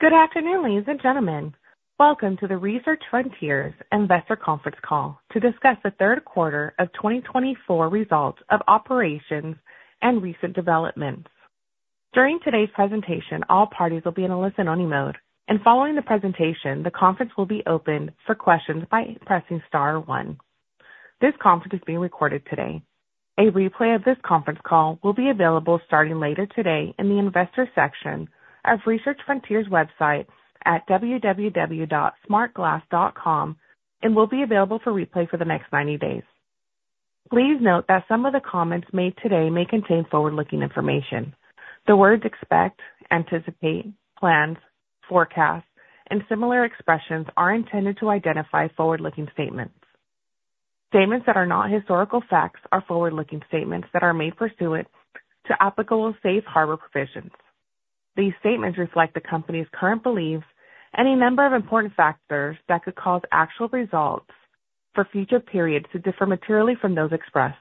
Good afternoon, ladies and gentlemen. Welcome to the Research Frontiers Investor Conference call to discuss the third quarter of 2024 results of operations and recent developments. During today's presentation, all parties will be in a listen-only mode, and following the presentation, the conference will be open for questions by pressing star one. This conference is being recorded today. A replay of this conference call will be available starting later today in the investor section of Research Frontiers' website at www.smartglass.com and will be available for replay for the next 90 days. Please note that some of the comments made today may contain forward-looking information. The words "expect," "anticipate," "plans," "forecast," and similar expressions are intended to identify forward-looking statements. Statements that are not historical facts are forward-looking statements that are made pursuant to applicable safe harbor provisions. These statements reflect the company's current beliefs and a number of important factors that could cause actual results for future periods to differ materially from those expressed.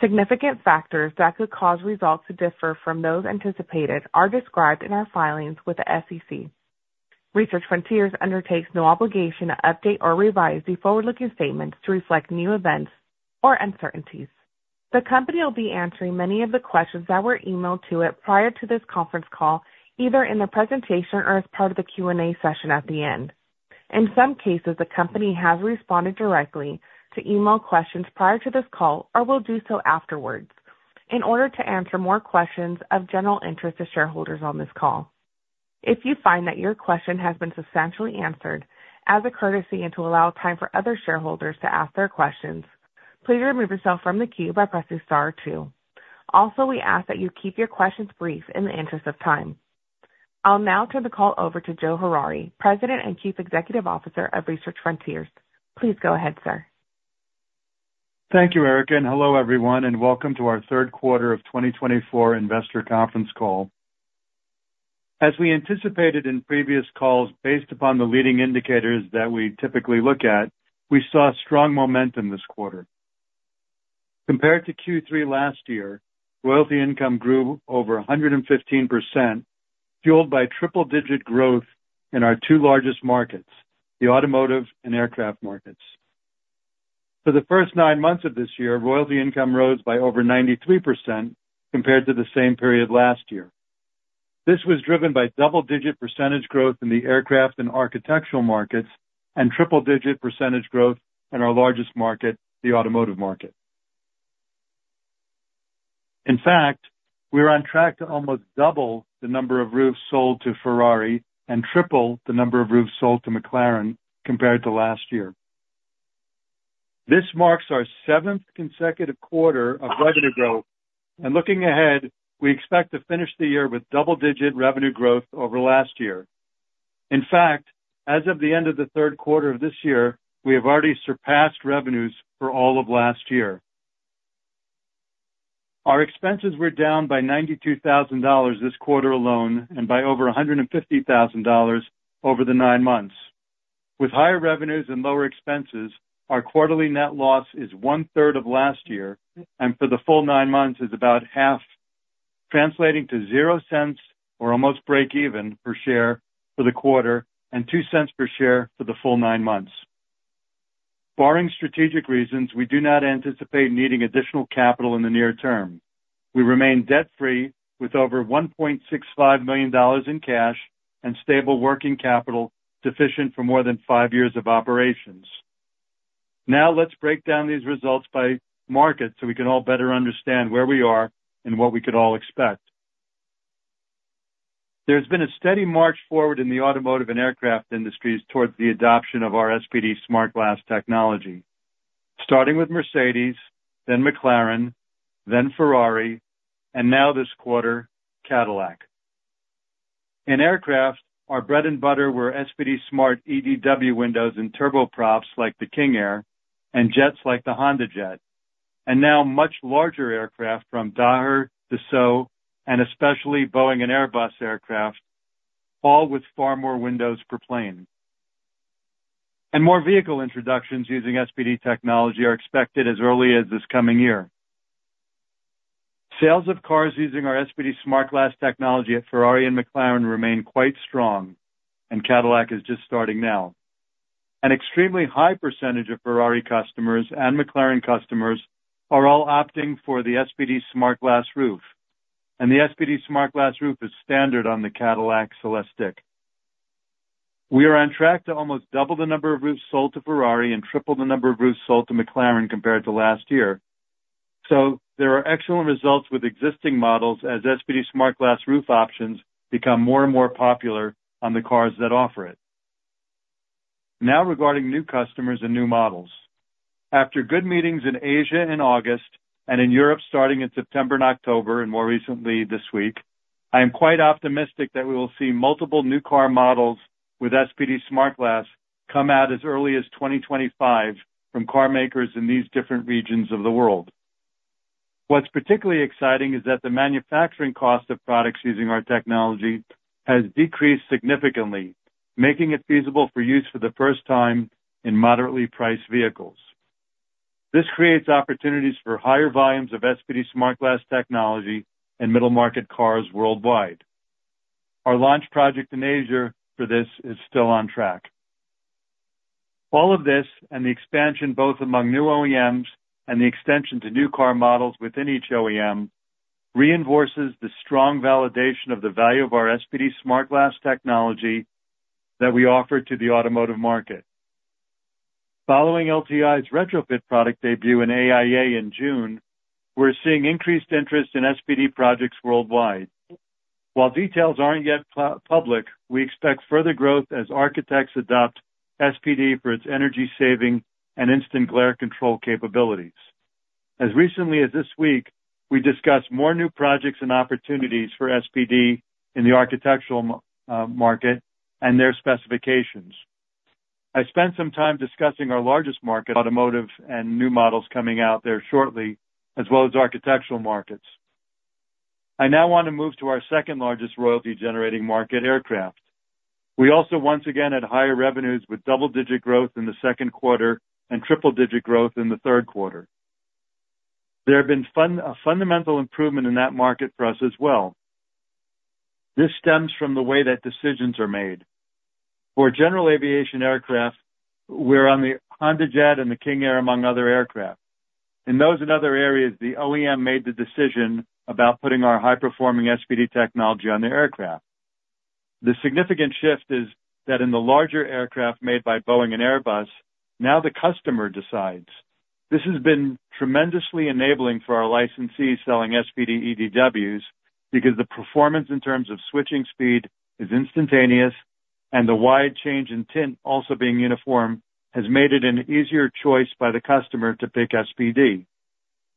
Significant factors that could cause results to differ from those anticipated are described in our filings with the SEC. Research Frontiers undertakes no obligation to update or revise the forward-looking statements to reflect new events or uncertainties. The company will be answering many of the questions that were emailed to it prior to this conference call, either in the presentation or as part of the Q&A session at the end. In some cases, the company has responded directly to email questions prior to this call or will do so afterwards in order to answer more questions of general interest to shareholders on this call. If you find that your question has been substantially answered, as a courtesy and to allow time for other shareholders to ask their questions, please remove yourself from the queue by pressing star two. Also, we ask that you keep your questions brief in the interest of time. I'll now turn the call over to Joe Harary, President and Chief Executive Officer of Research Frontiers. Please go ahead, sir. Thank you, Eric. And hello, everyone, and welcome to our third quarter of 2024 investor conference call. As we anticipated in previous calls, based upon the leading indicators that we typically look at, we saw strong momentum this quarter. Compared to Q3 last year, royalty income grew over 115%, fueled by triple-digit growth in our two largest markets, the automotive and aircraft markets. For the first nine months of this year, royalty income rose by over 93% compared to the same period last year. This was driven by double-digit percentage growth in the aircraft and architectural markets and triple-digit percentage growth in our largest market, the automotive market. In fact, we're on track to almost double the number of roofs sold to Ferrari and triple the number of roofs sold to McLaren compared to last year. This marks our seventh consecutive quarter of revenue growth, and looking ahead, we expect to finish the year with double-digit revenue growth over last year. In fact, as of the end of the third quarter of this year, we have already surpassed revenues for all of last year. Our expenses were down by $92,000 this quarter alone and by over $150,000 over the nine months. With higher revenues and lower expenses, our quarterly net loss is one-third of last year, and for the full nine months, it's about half, translating to zero cents or almost break-even per share for the quarter and two cents per share for the full nine months. Barring strategic reasons, we do not anticipate needing additional capital in the near term. We remain debt-free with over $1.65 million in cash and stable working capital sufficient for more than five years of operations. Now, let's break down these results by market so we can all better understand where we are and what we could all expect. There's been a steady march forward in the automotive and aircraft industries towards the adoption of our SPD-SmartGlass technology, starting with Mercedes, then McLaren, then Ferrari, and now this quarter, Cadillac. In aircraft, our bread and butter were SPD-Smart EDW windows and turboprops like the King Air and jets like the HondaJet, and now much larger aircraft from Daher, Dassault, and especially Boeing and Airbus aircraft, all with far more windows per plane, and more vehicle introductions using SPD technology are expected as early as this coming year. Sales of cars using our SPD-SmartGlass technology at Ferrari and McLaren remain quite strong, and Cadillac is just starting now. An extremely high percentage of Ferrari customers and McLaren customers are all opting for the SPD-SmartGlass roof, and the SPD-SmartGlass roof is standard on the Cadillac Celestiq. We are on track to almost double the number of roofs sold to Ferrari and triple the number of roofs sold to McLaren compared to last year. So there are excellent results with existing models as SPD-SmartGlass roof options become more and more popular on the cars that offer it. Now, regarding new customers and new models, after good meetings in Asia in August and in Europe starting in September and October, and more recently this week, I am quite optimistic that we will see multiple new car models with SPD-SmartGlass come out as early as 2025 from car makers in these different regions of the world. What's particularly exciting is that the manufacturing cost of products using our technology has decreased significantly, making it feasible for use for the first time in moderately priced vehicles. This creates opportunities for higher volumes of SPD-SmartGlass technology in middle-market cars worldwide. Our launch project in Asia for this is still on track. All of this and the expansion both among new OEMs and the extension to new car models within each OEM reinforces the strong validation of the value of our SPD-SmartGlass technology that we offer to the automotive market. Following LTI's retrofit product debut in AIA in June, we're seeing increased interest in SPD projects worldwide. While details aren't yet public, we expect further growth as architects adopt SPD for its energy-saving and instant glare control capabilities. As recently as this week, we discussed more new projects and opportunities for SPD in the architectural market and their specifications. I spent some time discussing our largest market, automotive and new models coming out there shortly, as well as architectural markets. I now want to move to our second-largest royalty-generating market, aircraft. We also once again had higher revenues with double-digit growth in the second quarter and triple-digit growth in the third quarter. There have been a fundamental improvement in that market for us as well. This stems from the way that decisions are made. For general aviation aircraft, we're on the HondaJet and the King Air, among other aircraft. In those and other areas, the OEM made the decision about putting our high-performing SPD technology on the aircraft. The significant shift is that in the larger aircraft made by Boeing and Airbus, now the customer decides. This has been tremendously enabling for our licensees selling SPD EDWs because the performance in terms of switching speed is instantaneous, and the wide change in tint also being uniform has made it an easier choice by the customer to pick SPD,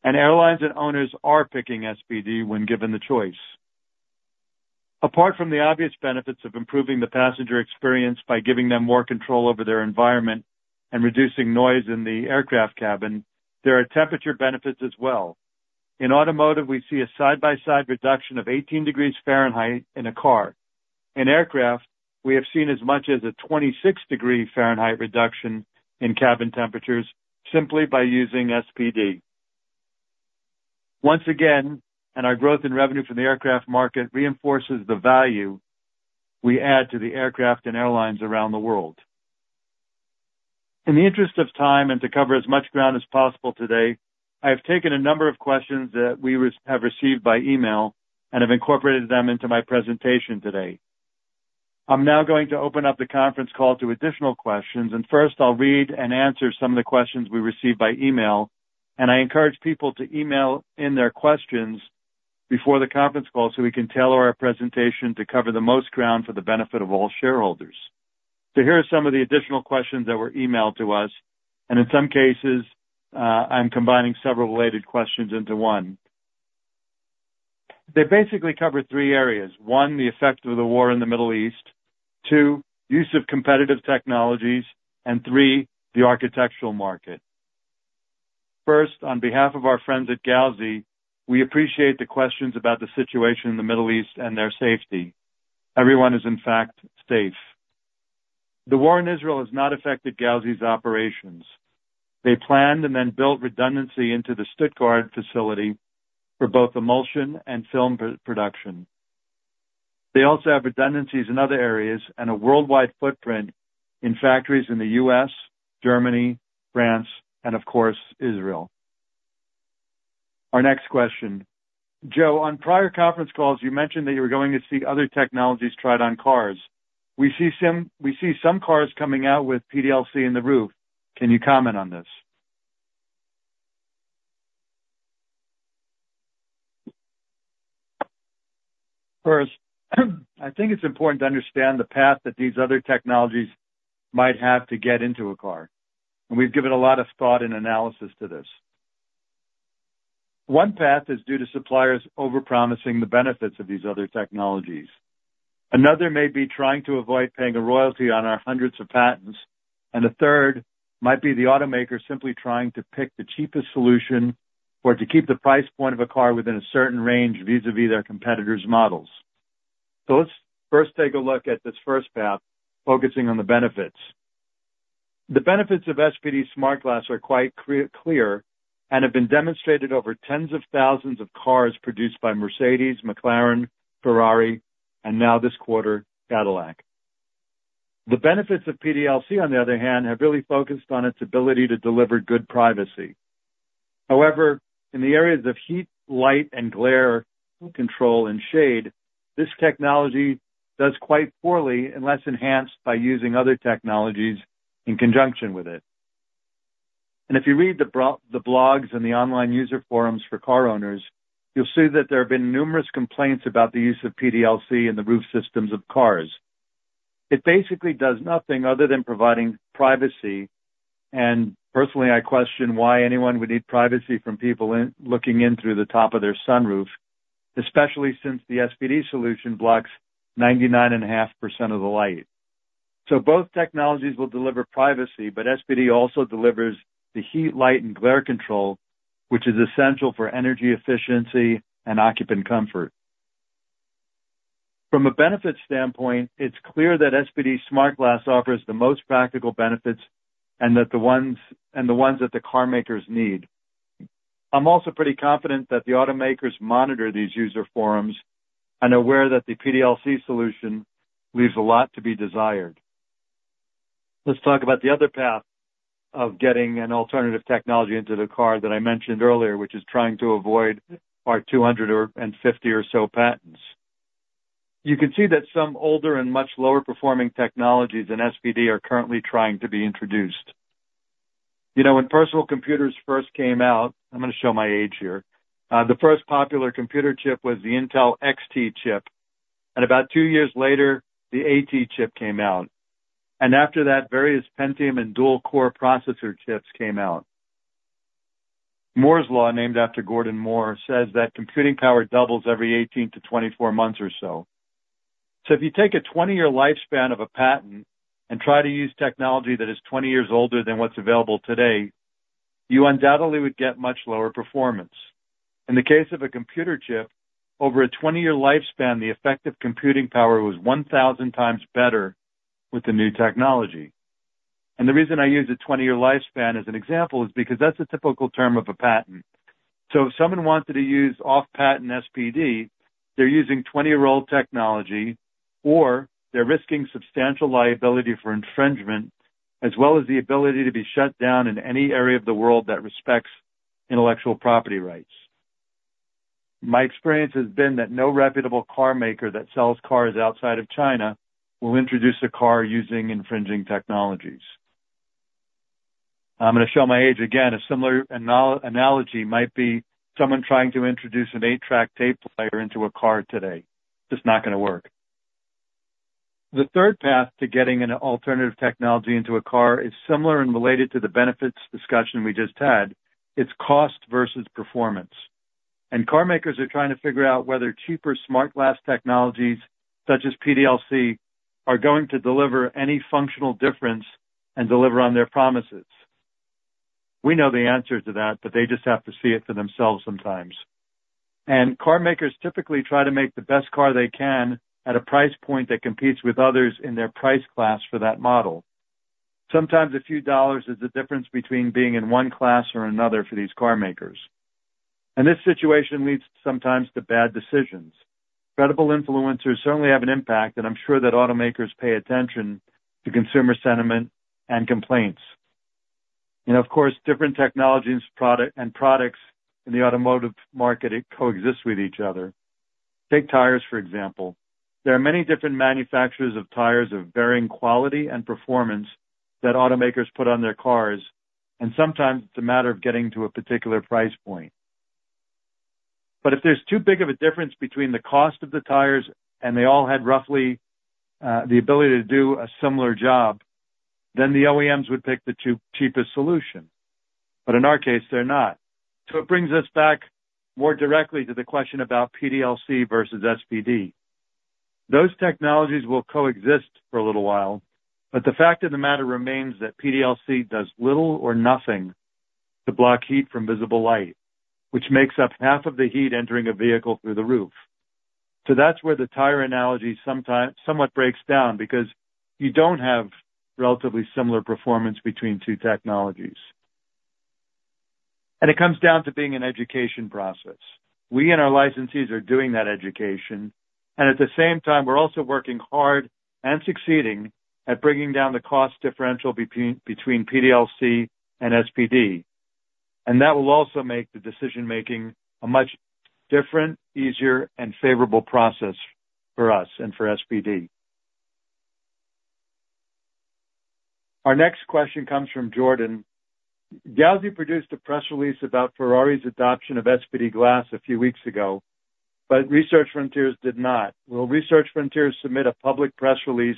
and airlines and owners are picking SPD when given the choice. Apart from the obvious benefits of improving the passenger experience by giving them more control over their environment and reducing noise in the aircraft cabin, there are temperature benefits as well. In automotive, we see a side-by-side reduction of 18 degrees Fahrenheit in a car. In aircraft, we have seen as much as a 26-degree Fahrenheit reduction in cabin temperatures simply by using SPD. Once again, our growth in revenue from the aircraft market reinforces the value we add to the aircraft and airlines around the world. In the interest of time and to cover as much ground as possible today, I have taken a number of questions that we have received by email and have incorporated them into my presentation today. I'm now going to open up the conference call to additional questions, and first, I'll read and answer some of the questions we received by email, and I encourage people to email in their questions before the conference call so we can tailor our presentation to cover the most ground for the benefit of all shareholders. So here are some of the additional questions that were emailed to us, and in some cases, I'm combining several related questions into one. They basically cover three areas: one, the effect of the war in the Middle East, two, use of competitive technologies, and three, the architectural market. First, on behalf of our friends at Gauzy, we appreciate the questions about the situation in the Middle East and their safety. Everyone is, in fact, safe. The war in Israel has not affected Gauzy's operations. They planned and then built redundancy into the Stuttgart facility for both emulsion and film production. They also have redundancies in other areas and a worldwide footprint in factories in the U.S., Germany, France, and, of course, Israel. Our next question. Joe, on prior conference calls, you mentioned that you were going to see other technologies tried on cars. We see some cars coming out with PDLC in the roof. Can you comment on this? First, I think it's important to understand the path that these other technologies might have to get into a car, and we've given a lot of thought and analysis to this. One path is due to suppliers overpromising the benefits of these other technologies. Another may be trying to avoid paying a royalty on our hundreds of patents, and a third might be the automaker simply trying to pick the cheapest solution or to keep the price point of a car within a certain range vis-à-vis their competitors' models. So let's first take a look at this first path, focusing on the benefits. The benefits of SPD-SmartGlass are quite clear and have been demonstrated over tens of thousands of cars produced by Mercedes, McLaren, Ferrari, and now this quarter, Cadillac. The benefits of PDLC, on the other hand, have really focused on its ability to deliver good privacy. However, in the areas of heat, light, and glare control and shade, this technology does quite poorly unless enhanced by using other technologies in conjunction with it. If you read the blogs and the online user forums for car owners, you'll see that there have been numerous complaints about the use of PDLC in the roof systems of cars. It basically does nothing other than providing privacy, and personally, I question why anyone would need privacy from people looking in through the top of their sunroof, especially since the SPD solution blocks 99.5% of the light. Both technologies will deliver privacy, but SPD also delivers the heat, light, and glare control, which is essential for energy efficiency and occupant comfort. From a benefits standpoint, it's clear that SPD-SmartGlass offers the most practical benefits and the ones that the car makers need. I'm also pretty confident that the automakers monitor these user forums and are aware that the PDLC solution leaves a lot to be desired. Let's talk about the other path of getting an alternative technology into the car that I mentioned earlier, which is trying to avoid our 250 or so patents. You can see that some older and much lower-performing technologies in SPD are currently trying to be introduced. When personal computers first came out, I'm going to show my age here. The first popular computer chip was the Intel XT chip, and about two years later, the AT chip came out, and after that, various Pentium and dual-core processor chips came out. Moore's Law, named after Gordon Moore, says that computing power doubles every 18-24 months or so. So if you take a 20-year lifespan of a patent and try to use technology that is 20 years older than what's available today, you undoubtedly would get much lower performance. In the case of a computer chip, over a 20-year lifespan, the effective computing power was 1,000 times better with the new technology. And the reason I use a 20-year lifespan as an example is because that's a typical term of a patent. So if someone wanted to use off-patent SPD, they're using 20-year-old technology, or they're risking substantial liability for infringement, as well as the ability to be shut down in any area of the world that respects intellectual property rights. My experience has been that no reputable car maker that sells cars outside of China will introduce a car using infringing technologies. I'm going to show my age again. A similar analogy might be someone trying to introduce an eight-track tape player into a car today. It's not going to work. The third path to getting an alternative technology into a car is similar and related to the benefits discussion we just had. It's cost versus performance, and car makers are trying to figure out whether cheaper Smart Glass technologies, such as PDLC, are going to deliver any functional difference and deliver on their promises. We know the answer to that, but they just have to see it for themselves sometimes, and car makers typically try to make the best car they can at a price point that competes with others in their price class for that model. Sometimes, a few dollars is the difference between being in one class or another for these car makers, and this situation leads sometimes to bad decisions. Credible influencers certainly have an impact, and I'm sure that automakers pay attention to consumer sentiment and complaints. And of course, different technologies and products in the automotive market coexist with each other. Take tires, for example. There are many different manufacturers of tires of varying quality and performance that automakers put on their cars, and sometimes it's a matter of getting to a particular price point. But if there's too big of a difference between the cost of the tires, and they all had roughly the ability to do a similar job, then the OEMs would pick the cheapest solution. But in our case, they're not. So it brings us back more directly to the question about PDLC versus SPD. Those technologies will coexist for a little while, but the fact of the matter remains that PDLC does little or nothing to block heat from visible light, which makes up half of the heat entering a vehicle through the roof. So that's where the tire analogy somewhat breaks down because you don't have relatively similar performance between two technologies. And it comes down to being an education process. We and our licensees are doing that education, and at the same time, we're also working hard and succeeding at bringing down the cost differential between PDLC and SPD. And that will also make the decision-making a much different, easier, and favorable process for us and for SPD. Our next question comes from Jordan. Gauzy produced a press release about Ferrari's adoption of SPD-SmartGlass a few weeks ago, but Research Frontiers did not. Will Research Frontiers submit a public press release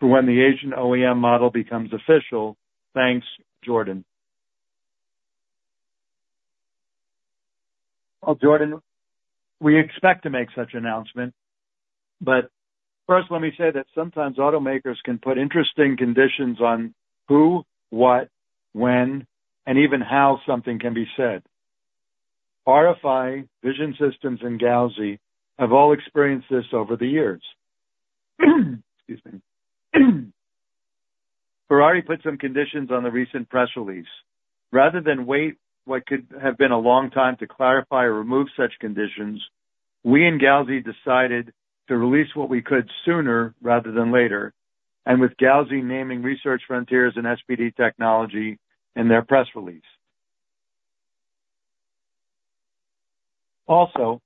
for when the Asian OEM model becomes official? Thanks, Jordan. Jordan, we expect to make such an announcement, but first, let me say that sometimes automakers can put interesting conditions on who, what, when, and even how something can be said. RFI, Vision Systems, and Gauzy have all experienced this over the years. Excuse me. Ferrari put some conditions on the recent press release. Rather than wait what could have been a long time to clarify or remove such conditions, we in Gauzy decided to release what we could sooner rather than later, and with Gauzy naming Research Frontiers and SPD Technology in their press release. Also,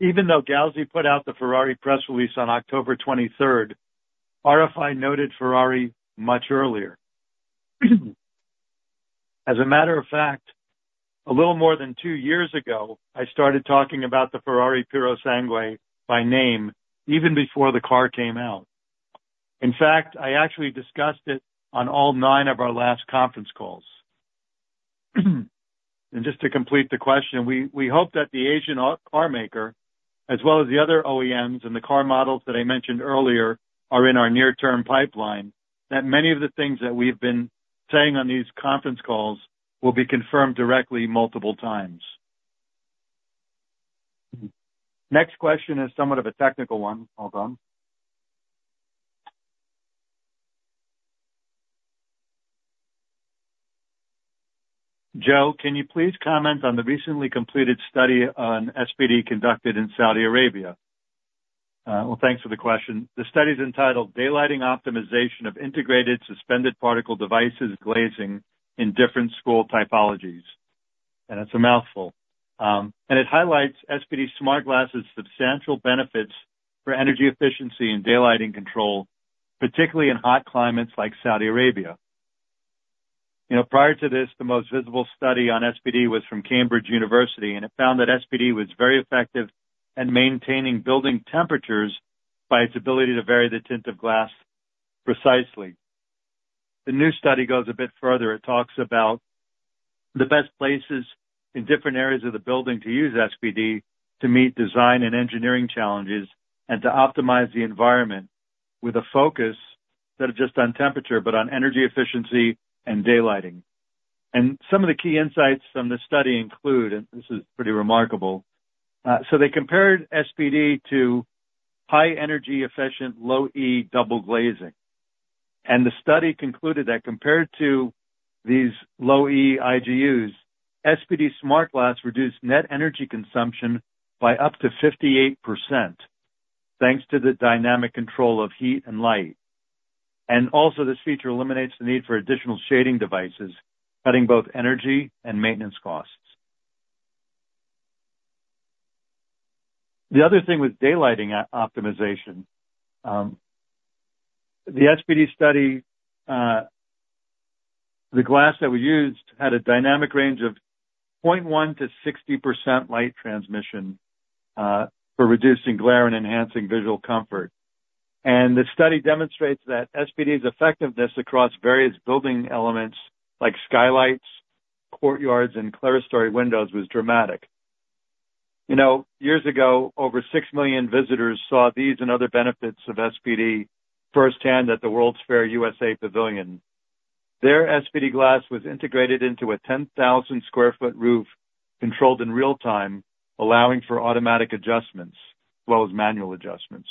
even though Gauzy put out the Ferrari press release on October 23rd, RFI noted Ferrari much earlier. As a matter of fact, a little more than two years ago, I started talking about the Ferrari Purosangue by name even before the car came out. In fact, I actually discussed it on all nine of our last conference calls. And just to complete the question, we hope that the Asian car maker, as well as the other OEMs and the car models that I mentioned earlier, are in our near-term pipeline, that many of the things that we've been saying on these conference calls will be confirmed directly multiple times. Next question is somewhat of a technical one. Hold on. Joe, can you please comment on the recently completed study on SPD conducted in Saudi Arabia? Well, thanks for the question. The study is entitled, "Daylighting Optimization of Integrated Suspended Particle Devices Glazing in Different School Typologies." And it's a mouthful. And it highlights SPD-SmartGlass's substantial benefits for energy efficiency and daylighting control, particularly in hot climates like Saudi Arabia. Prior to this, the most visible study on SPD was from Cambridge University, and it found that SPD was very effective at maintaining building temperatures by its ability to vary the tint of glass precisely. The new study goes a bit further. It talks about the best places in different areas of the building to use SPD to meet design and engineering challenges and to optimize the environment with a focus not just on temperature, but on energy efficiency and daylighting, and some of the key insights from the study include, and this is pretty remarkable, so they compared SPD to high-energy efficient Low-E double glazing, and the study concluded that compared to these Low-E IGUs, SPD-SmartGlass reduced net energy consumption by up to 58%, thanks to the dynamic control of heat and light. Also, this feature eliminates the need for additional shading devices, cutting both energy and maintenance costs. The other thing with daylighting optimization, the SPD study, the glass that we used had a dynamic range of 0.1%-60% light transmission for reducing glare and enhancing visual comfort. The study demonstrates that SPD's effectiveness across various building elements like skylights, courtyards, and clerestory windows was dramatic. Years ago, over six million visitors saw these and other benefits of SPD firsthand at the World's Fair USA Pavilion. Their SPD Glass was integrated into a 10,000-sq-ft roof controlled in real time, allowing for automatic adjustments, as well as manual adjustments.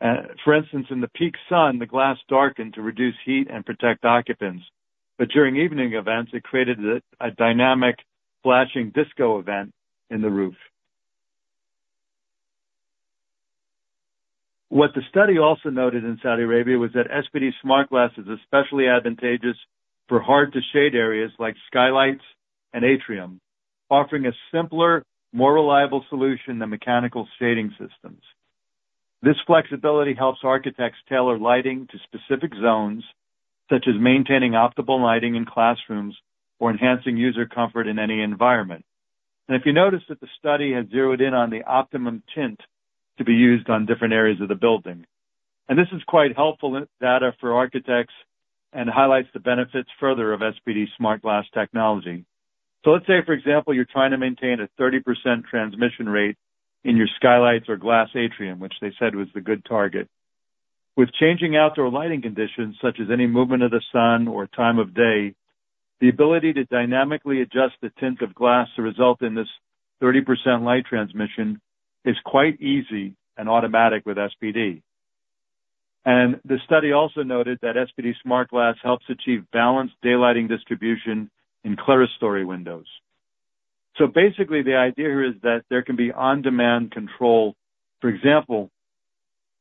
For instance, in the peak sun, the glass darkened to reduce heat and protect occupants, but during evening events, it created a dynamic flashing disco event in the roof. What the study also noted in Saudi Arabia was that SPD-SmartGlass is especially advantageous for hard-to-shade areas like skylights and atrium, offering a simpler, more reliable solution than mechanical shading systems. This flexibility helps architects tailor lighting to specific zones, such as maintaining optimal lighting in classrooms or enhancing user comfort in any environment, and if you notice that the study has zeroed in on the optimum tint to be used on different areas of the building, and this is quite helpful data for architects and highlights the benefits further of SPD-SmartGlass technology, so let's say, for example, you're trying to maintain a 30% transmission rate in your skylights or glass atrium, which they said was the good target. With changing outdoor lighting conditions, such as any movement of the sun or time of day, the ability to dynamically adjust the tint of glass to result in this 30% light transmission is quite easy and automatic with SPD, and the study also noted that SPD-SmartGlass helps achieve balanced daylighting distribution in clerestory windows, so basically, the idea here is that there can be on-demand control. For example,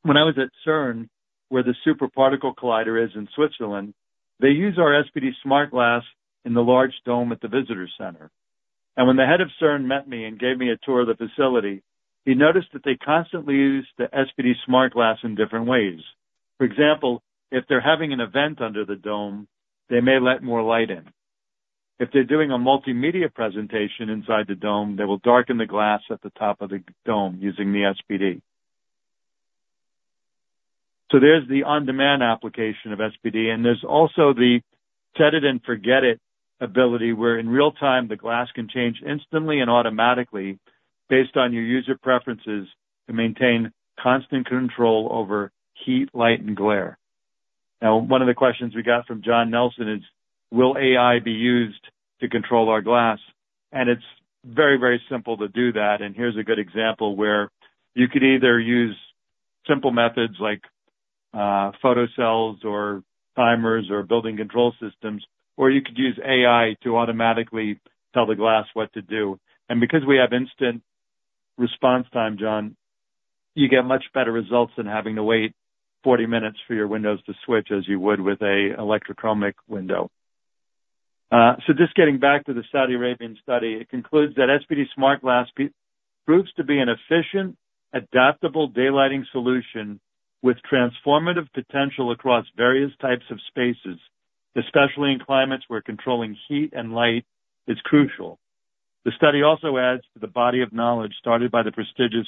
when I was at CERN, where the Large Hadron Collider is in Switzerland, they use our SPD-SmartGlass in the large dome at the visitor center, and when the head of CERN met me and gave me a tour of the facility, he noticed that they constantly use the SPD-SmartGlass in different ways. For example, if they're having an event under the dome, they may let more light in. If they're doing a multimedia presentation inside the dome, they will darken the glass at the top of the dome using the SPD. So there's the on-demand application of SPD, and there's also the set-it-and-forget-it ability where, in real time, the glass can change instantly and automatically based on your user preferences to maintain constant control over heat, light, and glare. Now, one of the questions we got from John Nelson is, "Will AI be used to control our glass?" And it's very, very simple to do that. And here's a good example where you could either use simple methods like photocells or timers or building control systems, or you could use AI to automatically tell the glass what to do. Because we have instant response time, John, you get much better results than having to wait 40 minutes for your windows to switch as you would with an electrochromic window. So just getting back to the Saudi Arabian study, it concludes that SPD-SmartGlass proves to be an efficient, adaptable daylighting solution with transformative potential across various types of spaces, especially in climates where controlling heat and light is crucial. The study also adds to the body of knowledge started by the prestigious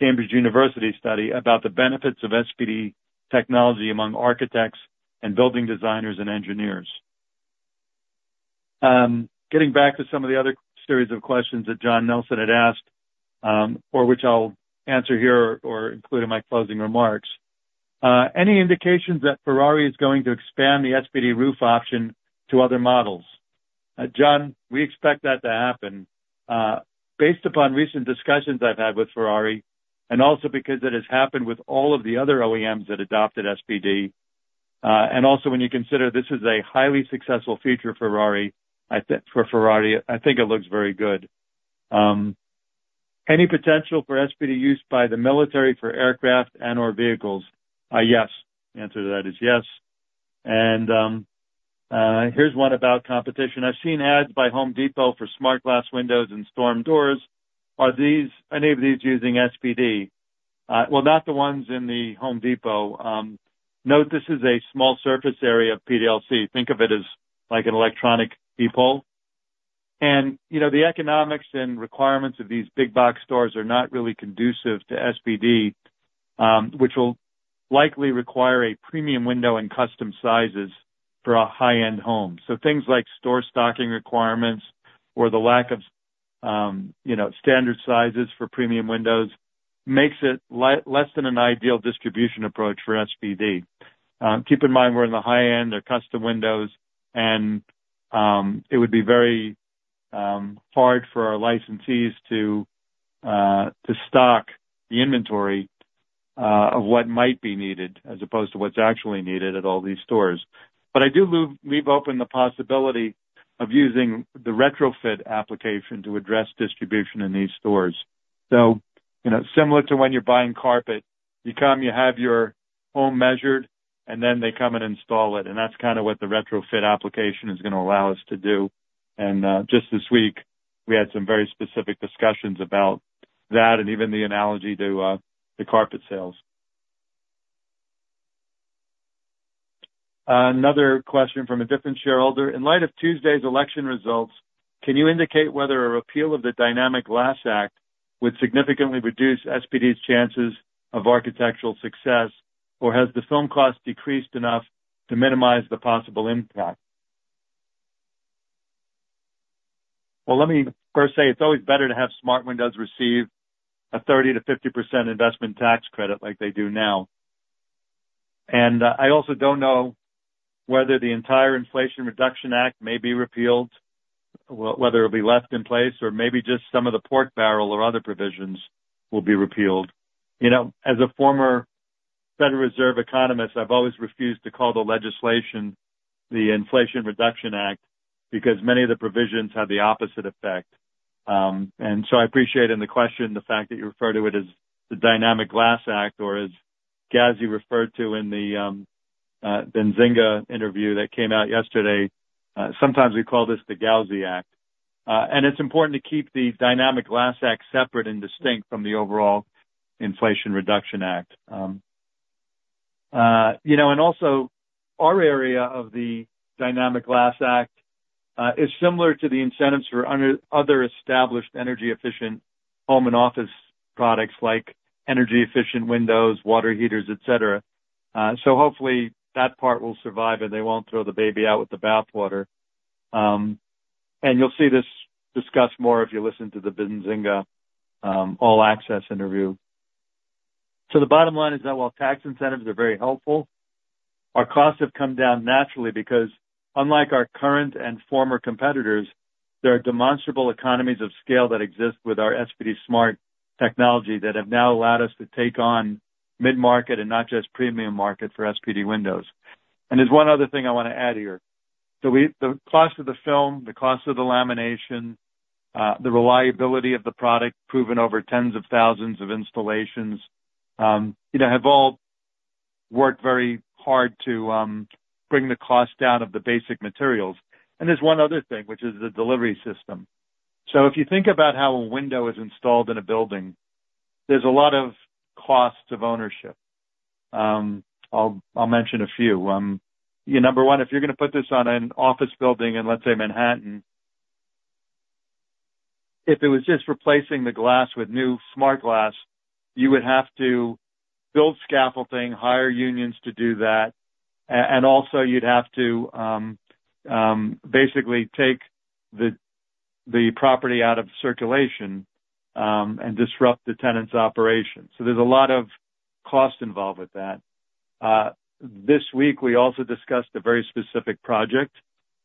Cambridge University study about the benefits of SPD technology among architects and building designers and engineers. Getting back to some of the other series of questions that John Nelson had asked, or which I'll answer here or include in my closing remarks, any indications that Ferrari is going to expand the SPD roof option to other models? John, we expect that to happen. Based upon recent discussions I've had with Ferrari, and also because it has happened with all of the other OEMs that adopted SPD, and also when you consider this is a highly successful feature for Ferrari, I think it looks very good. Any potential for SPD use by the military for aircraft and/or vehicles? Yes. The answer to that is yes, and here's one about competition. I've seen ads by Home Depot for Smart Glass windows and storm doors. Are any of these using SPD? Well, not the ones in the Home Depot. Note this is a small surface area of PDLC. Think of it as like an electronic peephole, and the economics and requirements of these big-box stores are not really conducive to SPD, which will likely require a premium window and custom sizes for a high-end home. Things like store stocking requirements or the lack of standard sizes for premium windows makes it less than an ideal distribution approach for SPD. Keep in mind we're in the high end. They're custom windows, and it would be very hard for our licensees to stock the inventory of what might be needed as opposed to what's actually needed at all these stores. But I do leave open the possibility of using the retrofit application to address distribution in these stores. Similar to when you're buying carpet, you come, you have your home measured, and then they come and install it. And that's kind of what the retrofit application is going to allow us to do. And just this week, we had some very specific discussions about that and even the analogy to the carpet sales. Another question from a different shareholder. In light of Tuesday's election results, can you indicate whether a repeal of the Dynamic Glass Act would significantly reduce SPD's chances of architectural success, or has the film cost decreased enough to minimize the possible impact? Well, let me first say it's always better to have smart windows receive a 30%-50% investment tax credit like they do now, and I also don't know whether the entire Inflation Reduction Act may be repealed, whether it'll be left in place, or maybe just some of the pork barrel or other provisions will be repealed. As a former Federal Reserve economist, I've always refused to call the legislation the Inflation Reduction Act because many of the provisions have the opposite effect. I appreciate in the question the fact that you refer to it as the Dynamic Glass Act or as Gauzy referred to in the Benzinga interview that came out yesterday. Sometimes we call this the Gauzy Act. It's important to keep the Dynamic Glass Act separate and distinct from the overall Inflation Reduction Act. Also, our area of the Dynamic Glass Act is similar to the incentives for other established energy-efficient home and office products like energy-efficient windows, water heaters, etc. Hopefully, that part will survive, and they won't throw the baby out with the bathwater. You'll see this discussed more if you listen to the Benzinga all-access interview. So the bottom line is that while tax incentives are very helpful, our costs have come down naturally because, unlike our current and former competitors, there are demonstrable economies of scale that exist with our SPD-Smart technology that have now allowed us to take on mid-market and not just premium market for SPD windows. And there's one other thing I want to add here. So the cost of the film, the cost of the lamination, the reliability of the product proven over tens of thousands of installations have all worked very hard to bring the cost down of the basic materials. And there's one other thing, which is the delivery system. So if you think about how a window is installed in a building, there's a lot of costs of ownership. I'll mention a few. Number one, if you're going to put this on an office building in, let's say, Manhattan, if it was just replacing the glass with new smart glass, you would have to build scaffolding, hire unions to do that, and also, you'd have to basically take the property out of circulation and disrupt the tenant's operation, so there's a lot of cost involved with that. This week, we also discussed a very specific project,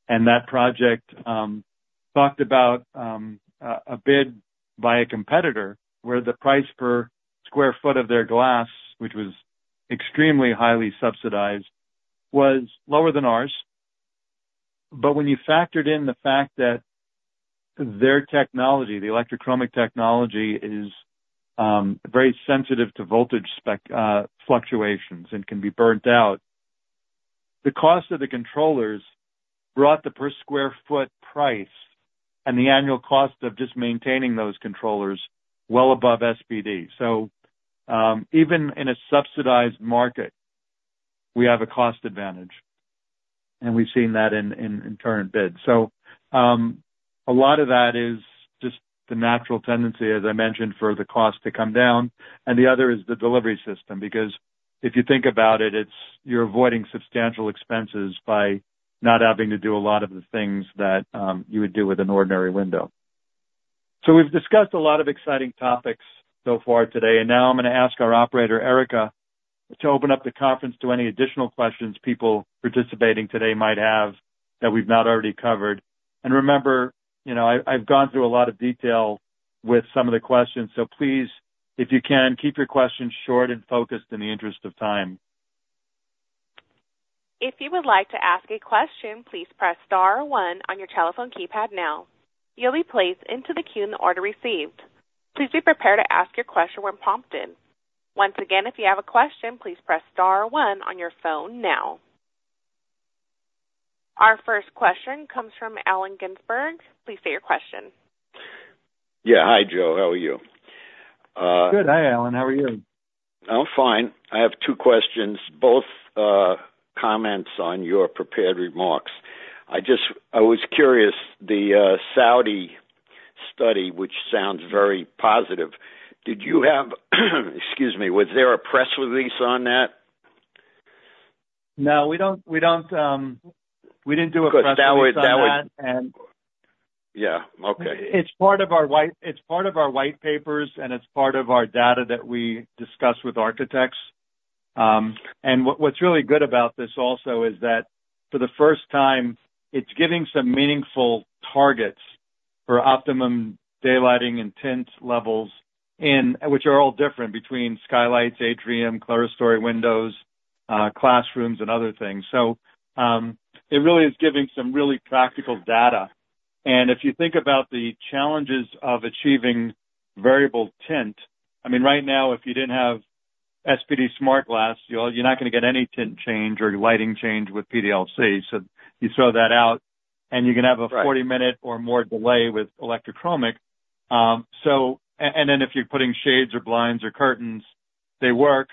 and that project talked about a bid by a competitor where the price per sq ft of their glass, which was extremely highly subsidized, was lower than ours, but when you factored in the fact that their technology, the electrochromic technology, is very sensitive to voltage fluctuations and can be burnt out, the cost of the controllers brought the per sq ft price and the annual cost of just maintaining those controllers well above SPD. So even in a subsidized market, we have a cost advantage. And we've seen that in current bids. So a lot of that is just the natural tendency, as I mentioned, for the cost to come down. And the other is the delivery system because if you think about it, you're avoiding substantial expenses by not having to do a lot of the things that you would do with an ordinary window. So we've discussed a lot of exciting topics so far today. And now I'm going to ask our operator, Erica, to open up the conference to any additional questions people participating today might have that we've not already covered. And remember, I've gone through a lot of detail with some of the questions. So please, if you can, keep your questions short and focused in the interest of time. If you would like to ask a question, please press star one on your telephone keypad now. You'll be placed into the queue in the order received. Please be prepared to ask your question when prompted. Once again, if you have a question, please press star one on your phone now. Our first question comes from Alan Ginsburg. Please state your question. Yeah. Hi, Joe. How are you? Good. Hi, Alan. How are you? I'm fine. I have two questions, both comments on your prepared remarks. I was curious, the Saudi study, which sounds very positive, did you have, excuse me, was there a press release on that? No, we didn't do a press release on that. Yeah. Okay. It's part of our white papers, and it's part of our data that we discuss with architects. And what's really good about this also is that for the first time, it's giving some meaningful targets for optimum daylighting and tint levels, which are all different between skylights, atrium, clerestory windows, classrooms, and other things. So it really is giving some really practical data. And if you think about the challenges of achieving variable tint, I mean, right now, if you didn't have SPD-SmartGlass, you're not going to get any tint change or lighting change with PDLC. So you throw that out, and you're going to have a 40-minute or more delay with electrochromic. And then if you're putting shades or blinds or curtains, they work.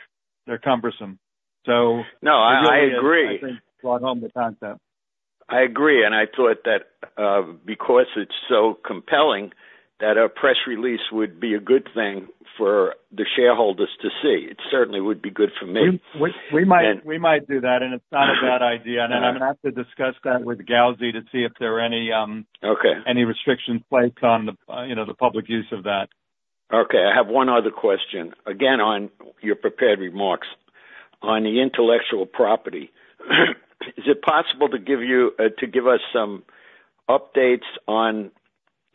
They're cumbersome. So I agree. I think you brought home the concept. I agree. And I thought that because it's so compelling that a press release would be a good thing for the shareholders to see. It certainly would be good for me. We might do that. And it's not a bad idea. And then I'm going to have to discuss that with Gauzy to see if there are any restrictions placed on the public use of that. Okay. I have one other question. Again, on your prepared remarks, on the intellectual property, is it possible to give us some updates on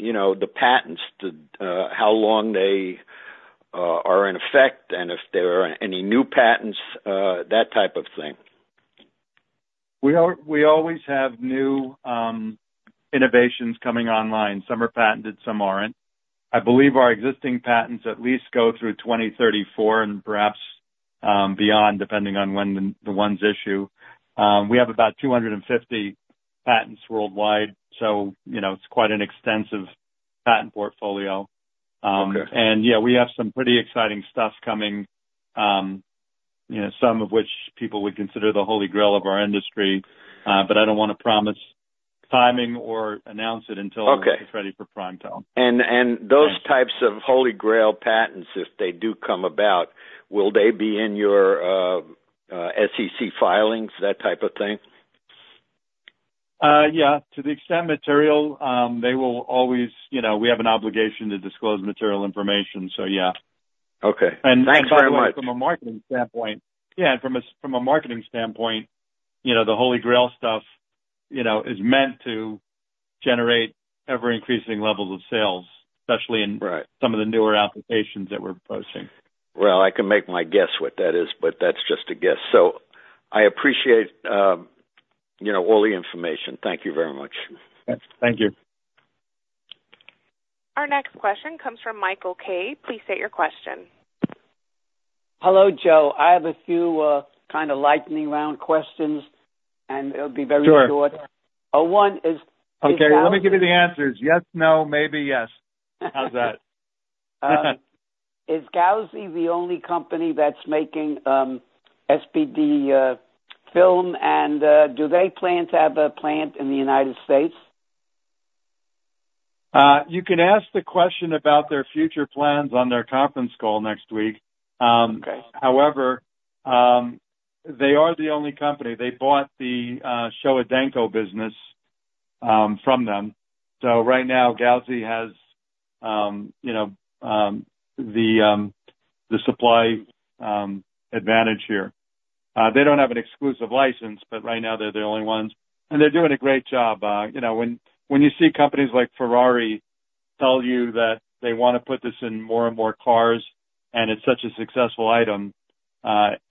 the patents, how long they are in effect, and if there are any new patents, that type of thing? We always have new innovations coming online. Some are patented, some aren't. I believe our existing patents at least go through 2034 and perhaps beyond, depending on when the ones issue. We have about 250 patents worldwide. So it's quite an extensive patent portfolio. And yeah, we have some pretty exciting stuff coming, some of which people would consider the holy grail of our industry. But I don't want to promise timing or announce it until it's ready for prime time. And those types of holy grail patents, if they do come about, will they be in your SEC filings, that type of thing? Yeah. To the extent material, they will always. We have an obligation to disclose material information. So yeah. Okay. Thanks very much. And from a marketing standpoint, yeah, the holy grail stuff is meant to generate ever-increasing levels of sales, especially in some of the newer applications that we're proposing. Well, I can make my guess what that is, but that's just a guess. So I appreciate all the information. Thank you very much. Thank you. Our next question comes from Michael Kay. Please state your question. Hello, Joe. I have a few kind of lightning round questions, and it'll be very short. One is. Okay. Let me give you the answers. Yes, no, maybe yes. How's that? Is Gauzy the only company that's making SPD film? And do they plan to have a plant in the United States? You can ask the question about their future plans on their conference call next week. However, they are the only company. They bought the Showa Denko business from them. So right now, Gauzy has the supply advantage here. They don't have an exclusive license, but right now, they're the only ones. And they're doing a great job. When you see companies like Ferrari tell you that they want to put this in more and more cars and it's such a successful item,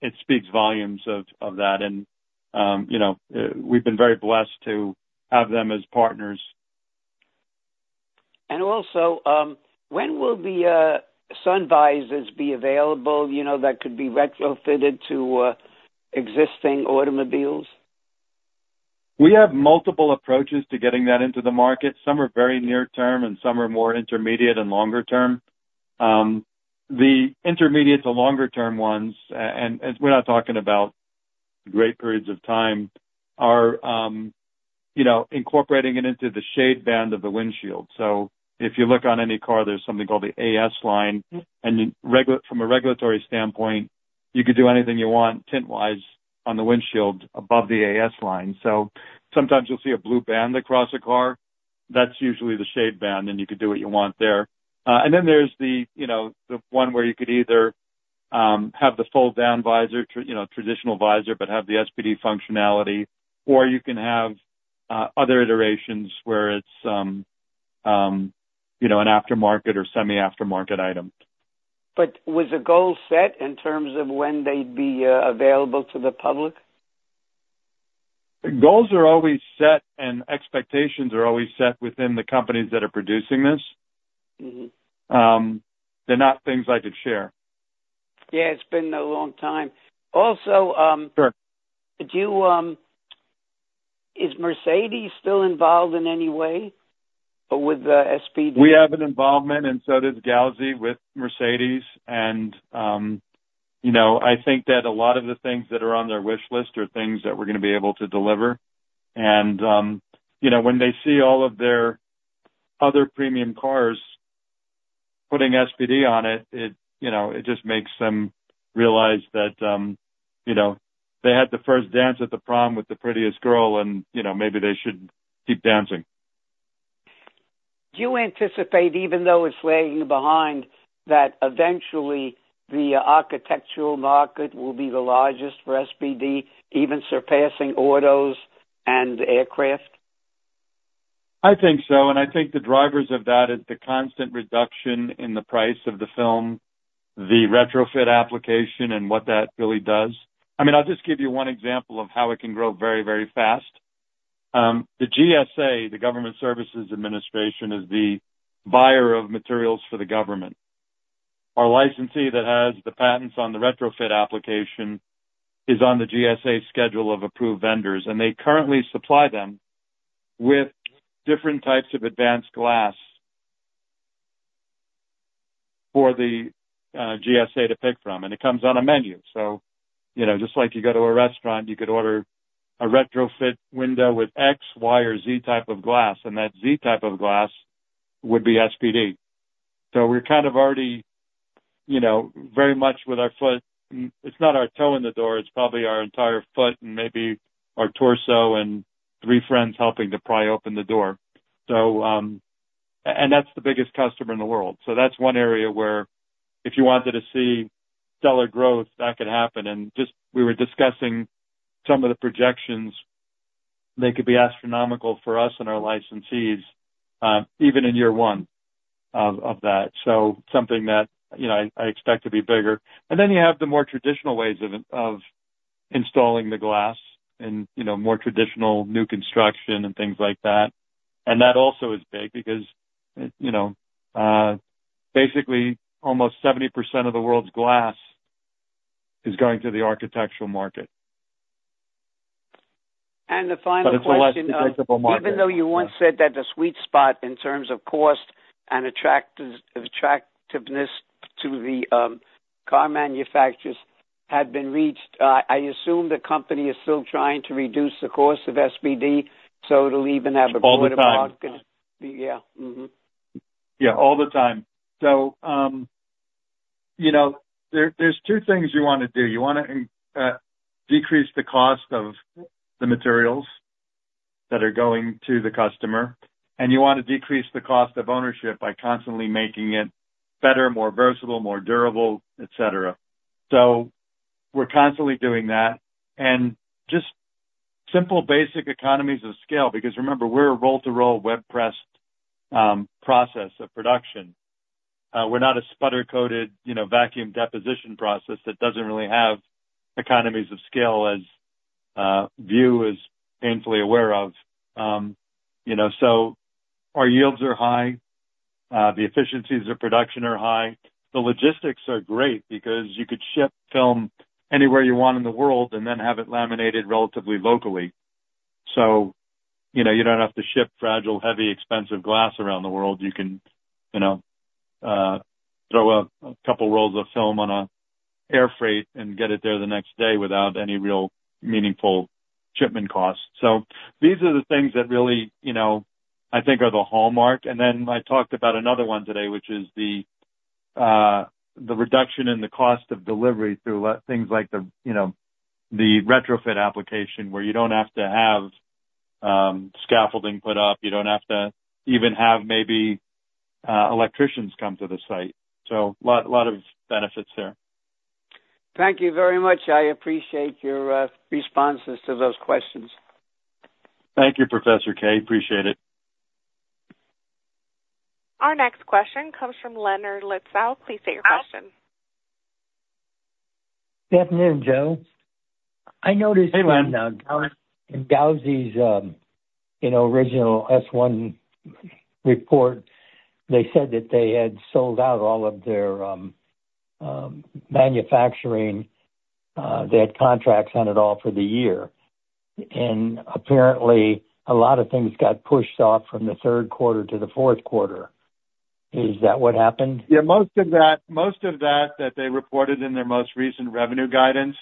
it speaks volumes of that. We've been very blessed to have them as partners. Also, when will the sun visors be available that could be retrofitted to existing automobiles? We have multiple approaches to getting that into the market. Some are very near-term, and some are more intermediate and longer-term. The intermediate to longer-term ones, and we're not talking about great periods of time, are incorporating it into the shade band of the windshield. So if you look on any car, there's something called the AS line. And from a regulatory standpoint, you could do anything you want tint-wise on the windshield above the AS line. So sometimes you'll see a blue band across a car. That's usually the shade band, and you could do what you want there. And then there's the one where you could either have the fold-down visor, traditional visor, but have the SPD functionality, or you can have other iterations where it's an aftermarket or semi-aftermarket item. But was the goal set in terms of when they'd be available to the public? Goals are always set, and expectations are always set within the companies that are producing this. They're not things I could share. Yeah. It's been a long time. Also, is Mercedes still involved in any way with SPD? We have an involvement, and so does Gauzy with Mercedes. And I think that a lot of the things that are on their wish list are things that we're going to be able to deliver. And when they see all of their other premium cars putting SPD on it, it just makes them realize that they had the first dance at the prom with the prettiest girl, and maybe they should keep dancing. Do you anticipate, even though it's lagging behind, that eventually the architectural market will be the largest for SPD, even surpassing autos and aircraft? I think so. And I think the drivers of that is the constant reduction in the price of the film, the retrofit application, and what that really does. I mean, I'll just give you one example of how it can grow very, very fast. The GSA, the General Services Administration, is the buyer of materials for the government. Our licensee that has the patents on the retrofit application is on the GSA schedule of approved vendors. And they currently supply them with different types of advanced glass for the GSA to pick from. And it comes on a menu. So just like you go to a restaurant, you could order a retrofit window with X, Y, or Z type of glass. And that Z type of glass would be SPD. So we're kind of already very much with our foot in the door. It's not our toe in the door. It's probably our entire foot and maybe our torso and three friends helping to pry open the door. And that's the biggest customer in the world. So that's one area where if you wanted to see stellar growth, that could happen. And just we were discussing some of the projections. They could be astronomical for us and our licensees, even in year one of that. So something that I expect to be bigger. And then you have the more traditional ways of installing the glass and more traditional new construction and things like that. And that also is big because basically almost 70% of the world's glass is going to the architectural market. And the final question, even though you once said that the sweet spot in terms of cost and attractiveness to the car manufacturers had been reached, I assume the company is still trying to reduce the cost of SPD so it'll even have a better market. Yeah. All the time. So there's two things you want to do. You want to decrease the cost of the materials that are going to the customer, and you want to decrease the cost of ownership by constantly making it better, more versatile, more durable, etc. So we're constantly doing that. And just simple, basic economies of scale because remember, we're a roll-to-roll, web-pressed process of production. We're not a sputter-coated vacuum deposition process that doesn't really have economies of scale as View is painfully aware of. So our yields are high. The efficiencies of production are high. The logistics are great because you could ship film anywhere you want in the world and then have it laminated relatively locally. So you don't have to ship fragile, heavy, expensive glass around the world. You can throw a couple rolls of film on an air freight and get it there the next day without any real meaningful shipment costs. So these are the things that really I think are the hallmark. And then I talked about another one today, which is the reduction in the cost of delivery through things like the retrofit application where you don't have to have scaffolding put up. You don't have to even have maybe electricians come to the site. So a lot of benefits there. Thank you very much. I appreciate your responses to those questions. Thank you, Professor Kay. Appreciate it. Our next question comes from Leonard Litzau. Please state your question. Good afternoon, Joe. I noticed in Gauzy's original S-1 report, they said that they had sold out all of their manufacturing. They had contracts on it all for the year. And apparently, a lot of things got pushed off from the third quarter to the fourth quarter. Is that what happened? Yeah. Most of that they reported in their most recent revenue guidance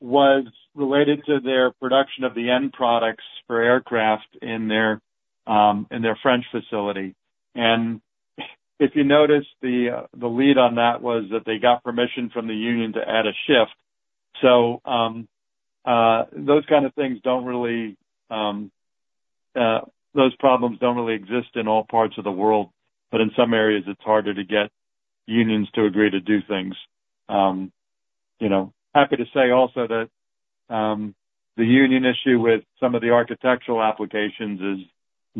was related to their production of the end products for aircraft in their French facility. And if you notice, the lead on that was that they got permission from the union to add a shift. So those kind of things don't really. Those problems don't really exist in all parts of the world. But in some areas, it's harder to get unions to agree to do things. Happy to say also that the union issue with some of the architectural applications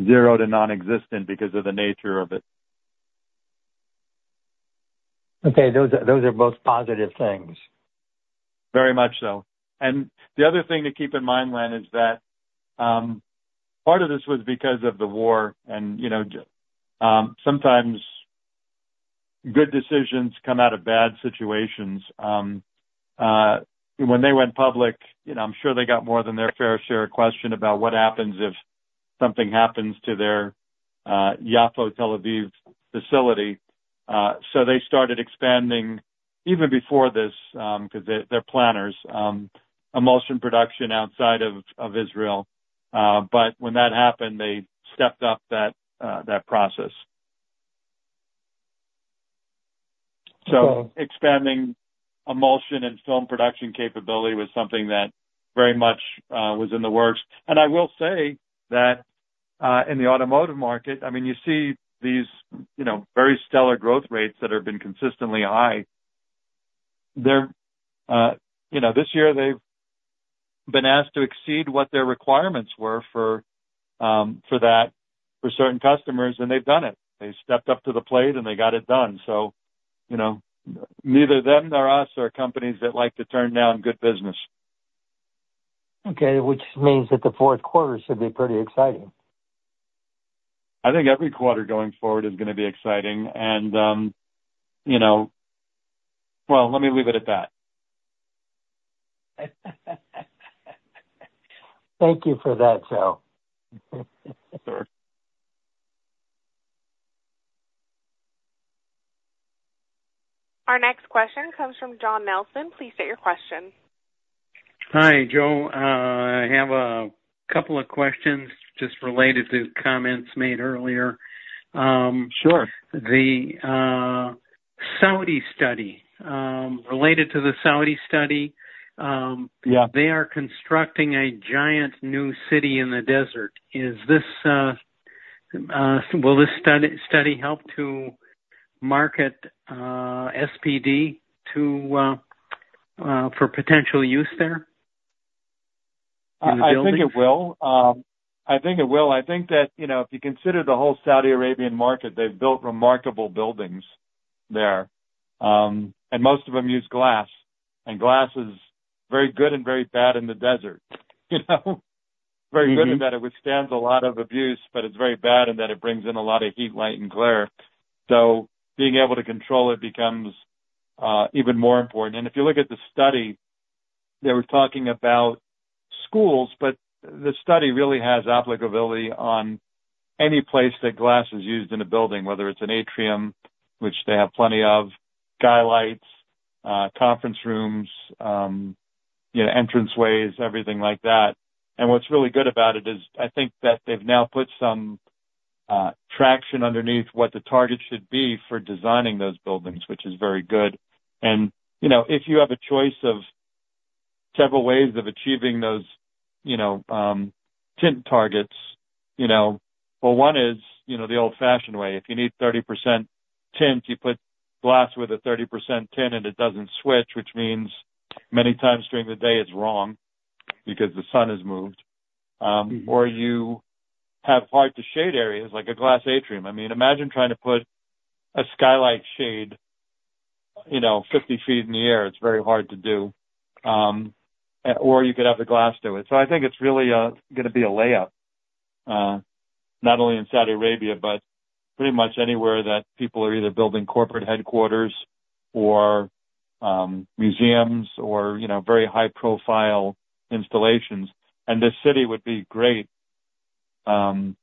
is zero to nonexistent because of the nature of it. Okay. Those are both positive things. Very much so. And the other thing to keep in mind, Len, is that part of this was because of the war. And sometimes good decisions come out of bad situations. When they went public, I'm sure they got more than their fair share of questions about what happens if something happens to their Yafo Tel Aviv facility. So they started expanding even before this because they're planners, emulsion production outside of Israel. But when that happened, they stepped up that process. So expanding emulsion and film production capability was something that very much was in the works. And I will say that in the automotive market, I mean, you see these very stellar growth rates that have been consistently high. This year, they've been asked to exceed what their requirements were for that, for certain customers, and they've done it. They stepped up to the plate, and they got it done. So neither them nor us are companies that like to turn down good business. Okay. Which means that the fourth quarter should be pretty exciting. I think every quarter going forward is going to be exciting. And well, let me leave it at that. Thank you for that, Joe. Our next question comes from John Nelson. Please state your question. Hi, Joe. I have a couple of questions just related to comments made earlier. The Saudi study related to the Saudi study, they are constructing a giant new city in the desert. Will this study help to market SPD for potential use there? I think it will. I think it will. I think that if you consider the whole Saudi Arabian market, they've built remarkable buildings there. And most of them use glass. And glass is very good and very bad in the desert. Very good in that it withstands a lot of abuse, but it's very bad in that it brings in a lot of heat, light, and glare. So being able to control it becomes even more important. And if you look at the study, they were talking about schools, but the study really has applicability on any place that glass is used in a building, whether it's an atrium, which they have plenty of, skylights, conference rooms, entrance ways, everything like that. And what's really good about it is I think that they've now put some traction underneath what the target should be for designing those buildings, which is very good. And if you have a choice of several ways of achieving those tint targets, well, one is the old-fashioned way. If you need 30% tint, you put glass with a 30% tint, and it doesn't switch, which means many times during the day it's wrong because the sun has moved. Or you have hard-to-shade areas like a glass atrium. I mean, imagine trying to put a skylight shade 50 feet in the air. It's very hard to do. Or you could have the glass do it. So I think it's really going to be a layup, not only in Saudi Arabia, but pretty much anywhere that people are either building corporate headquarters or museums or very high-profile installations. This city would be great when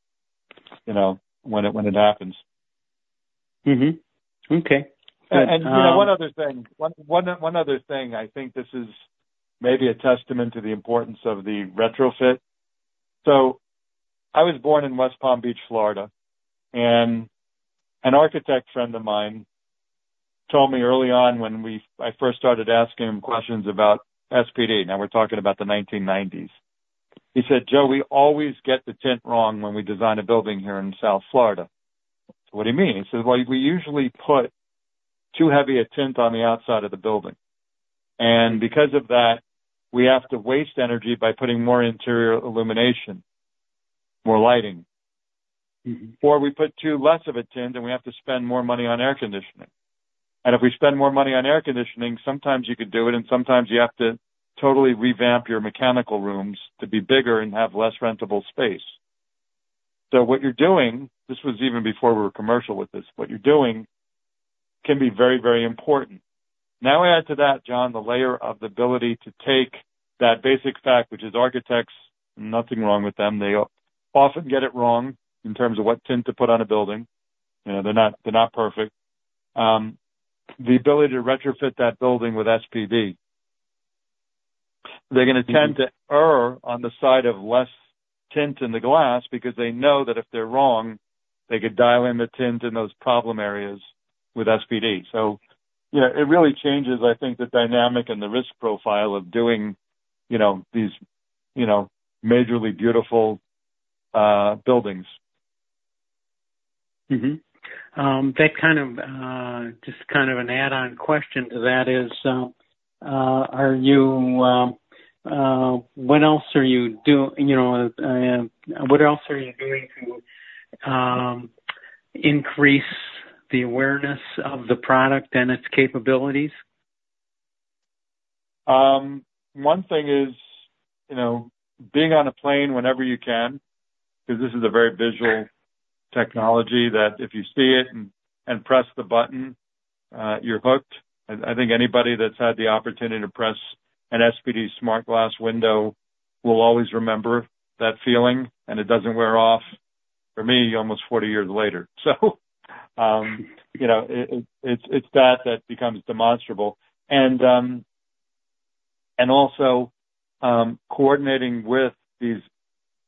it happens. Okay. One other thing. One other thing, I think this is maybe a testament to the importance of the retrofit. I was born in West Palm Beach, Florida. An architect friend of mine told me early on when I first started asking him questions about SPD. Now we're talking about the 1990s. He said, "Joe, we always get the tint wrong when we design a building here in South Florida." "What do you mean?" He said, "Well, we usually put too heavy a tint on the outside of the building. Because of that, we have to waste energy by putting more interior illumination, more lighting. Or we put too less of a tint, and we have to spend more money on air conditioning. And if we spend more money on air conditioning, sometimes you can do it, and sometimes you have to totally revamp your mechanical rooms to be bigger and have less rentable space. So what you're doing, this was even before we were commercial with this, what you're doing can be very, very important. Now add to that, John, the layer of the ability to take that basic fact, which is architects, nothing wrong with them. They often get it wrong in terms of what tint to put on a building. They're not perfect. The ability to retrofit that building with SPD. They're going to tend to err on the side of less tint in the glass because they know that if they're wrong, they could dial in the tint in those problem areas with SPD. So it really changes, I think, the dynamic and the risk profile of doing these majorly beautiful buildings. That kind of an add-on question to that is, what else are you doing to increase the awareness of the product and its capabilities? One thing is being on a plane whenever you can because this is a very visual technology that if you see it and press the button, you're hooked. I think anybody that's had the opportunity to press an SPD-SmartGlass window will always remember that feeling. And it doesn't wear off for me almost 40 years later. So it's that that becomes demonstrable. And also coordinating with these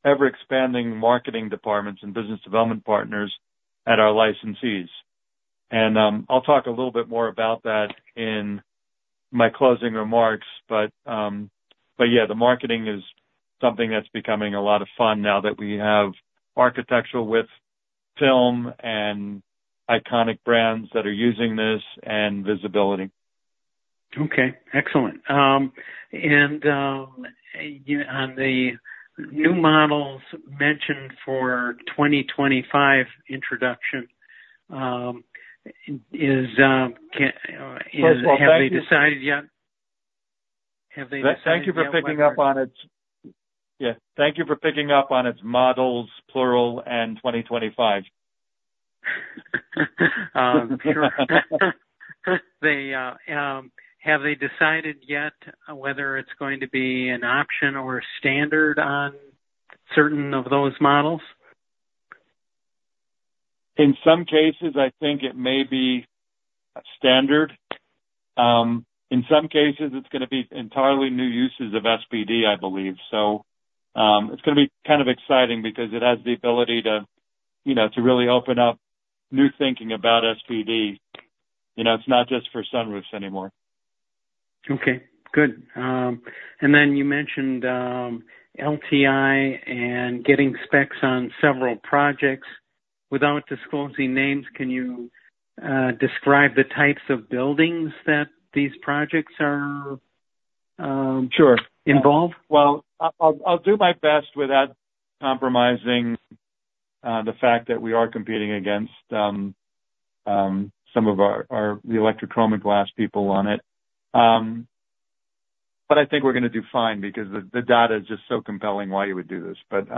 ever-expanding marketing departments and business development partners at our licensees. And I'll talk a little bit more about that in my closing remarks. But yeah, the marketing is something that's becoming a lot of fun now that we have architectural with film and iconic brands that are using this and visibility. Okay. Excellent. And on the new models mentioned for 2025 introduction, have they decided yet? Have they decided? Thank you for picking up on it. Yeah. Thank you for picking up on its models, plural, and 2025. Sure. Have they decided yet whether it's going to be an option or a standard on certain of those models? In some cases, I think it may be a standard. In some cases, it's going to be entirely new uses of SPD, I believe. So it's going to be kind of exciting because it has the ability to really open up new thinking about SPD. It's not just for sunroofs anymore. Okay. Good. And then you mentioned LTI and getting specs on several projects. Without disclosing names, can you describe the types of buildings that these projects are involved? Sure. Well, I'll do my best without compromising the fact that we are competing against some of the electrochromic glass people on it. But I think we're going to do fine because the data is just so compelling why you would do this. But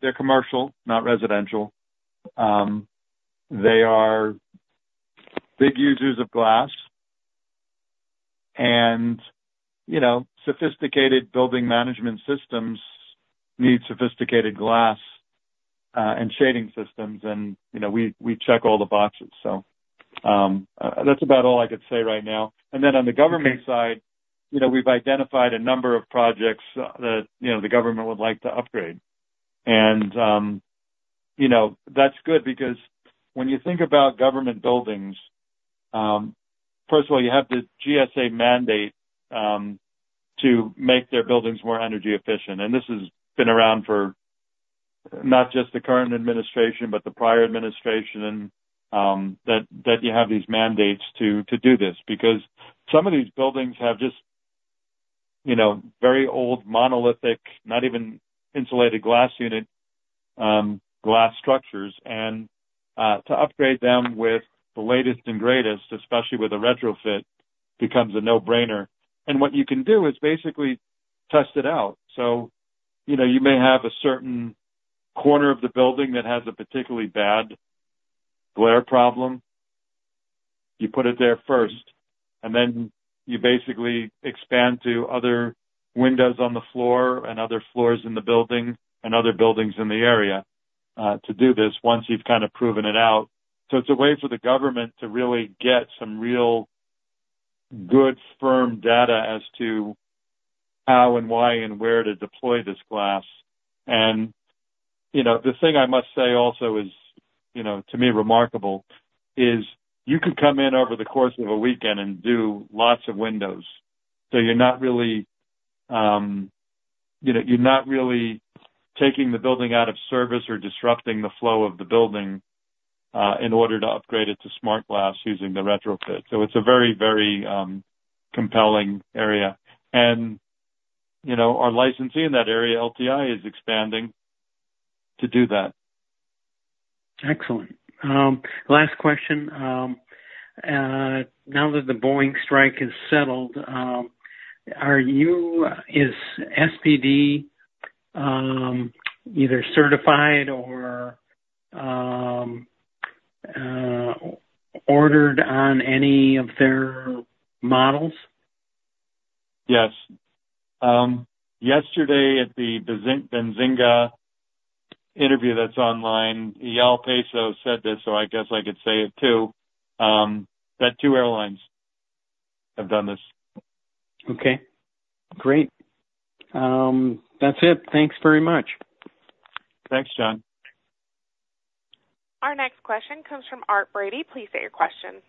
they're commercial, not residential. They are big users of glass. And sophisticated building management systems need sophisticated glass and shading systems. And we check all the boxes. So that's about all I could say right now. And then on the government side, we've identified a number of projects that the government would like to upgrade. And that's good because when you think about government buildings, first of all, you have the GSA mandate to make their buildings more energy efficient. This has been around for not just the current administration, but the prior administration that you have these mandates to do this because some of these buildings have just very old monolithic, not even insulated glass unit glass structures. To upgrade them with the latest and greatest, especially with a retrofit, becomes a no-brainer. What you can do is basically test it out. You may have a certain corner of the building that has a particularly bad glare problem. You put it there first. Then you basically expand to other windows on the floor and other floors in the building and other buildings in the area to do this once you've kind of proven it out. It's a way for the government to really get some real good firm data as to how and why and where to deploy this glass. The thing I must say also is, to me, remarkable is you could come in over the course of a weekend and do lots of windows. So you're not really taking the building out of service or disrupting the flow of the building in order to upgrade it to smart glass using the retrofit. So it's a very, very compelling area. And our licensee in that area, LTI, is expanding to do that. Excellent. Last question. Now that the Boeing strike is settled, is SPD either certified or ordered on any of their models? Yes. Yesterday, at the Benzinga interview that's online, Eyal Peso said this, so I guess I could say it too, that two airlines have done this. Okay. Great. That's it. Thanks very much. Thanks, John. Our next question comes from Art Brady. Please state your question.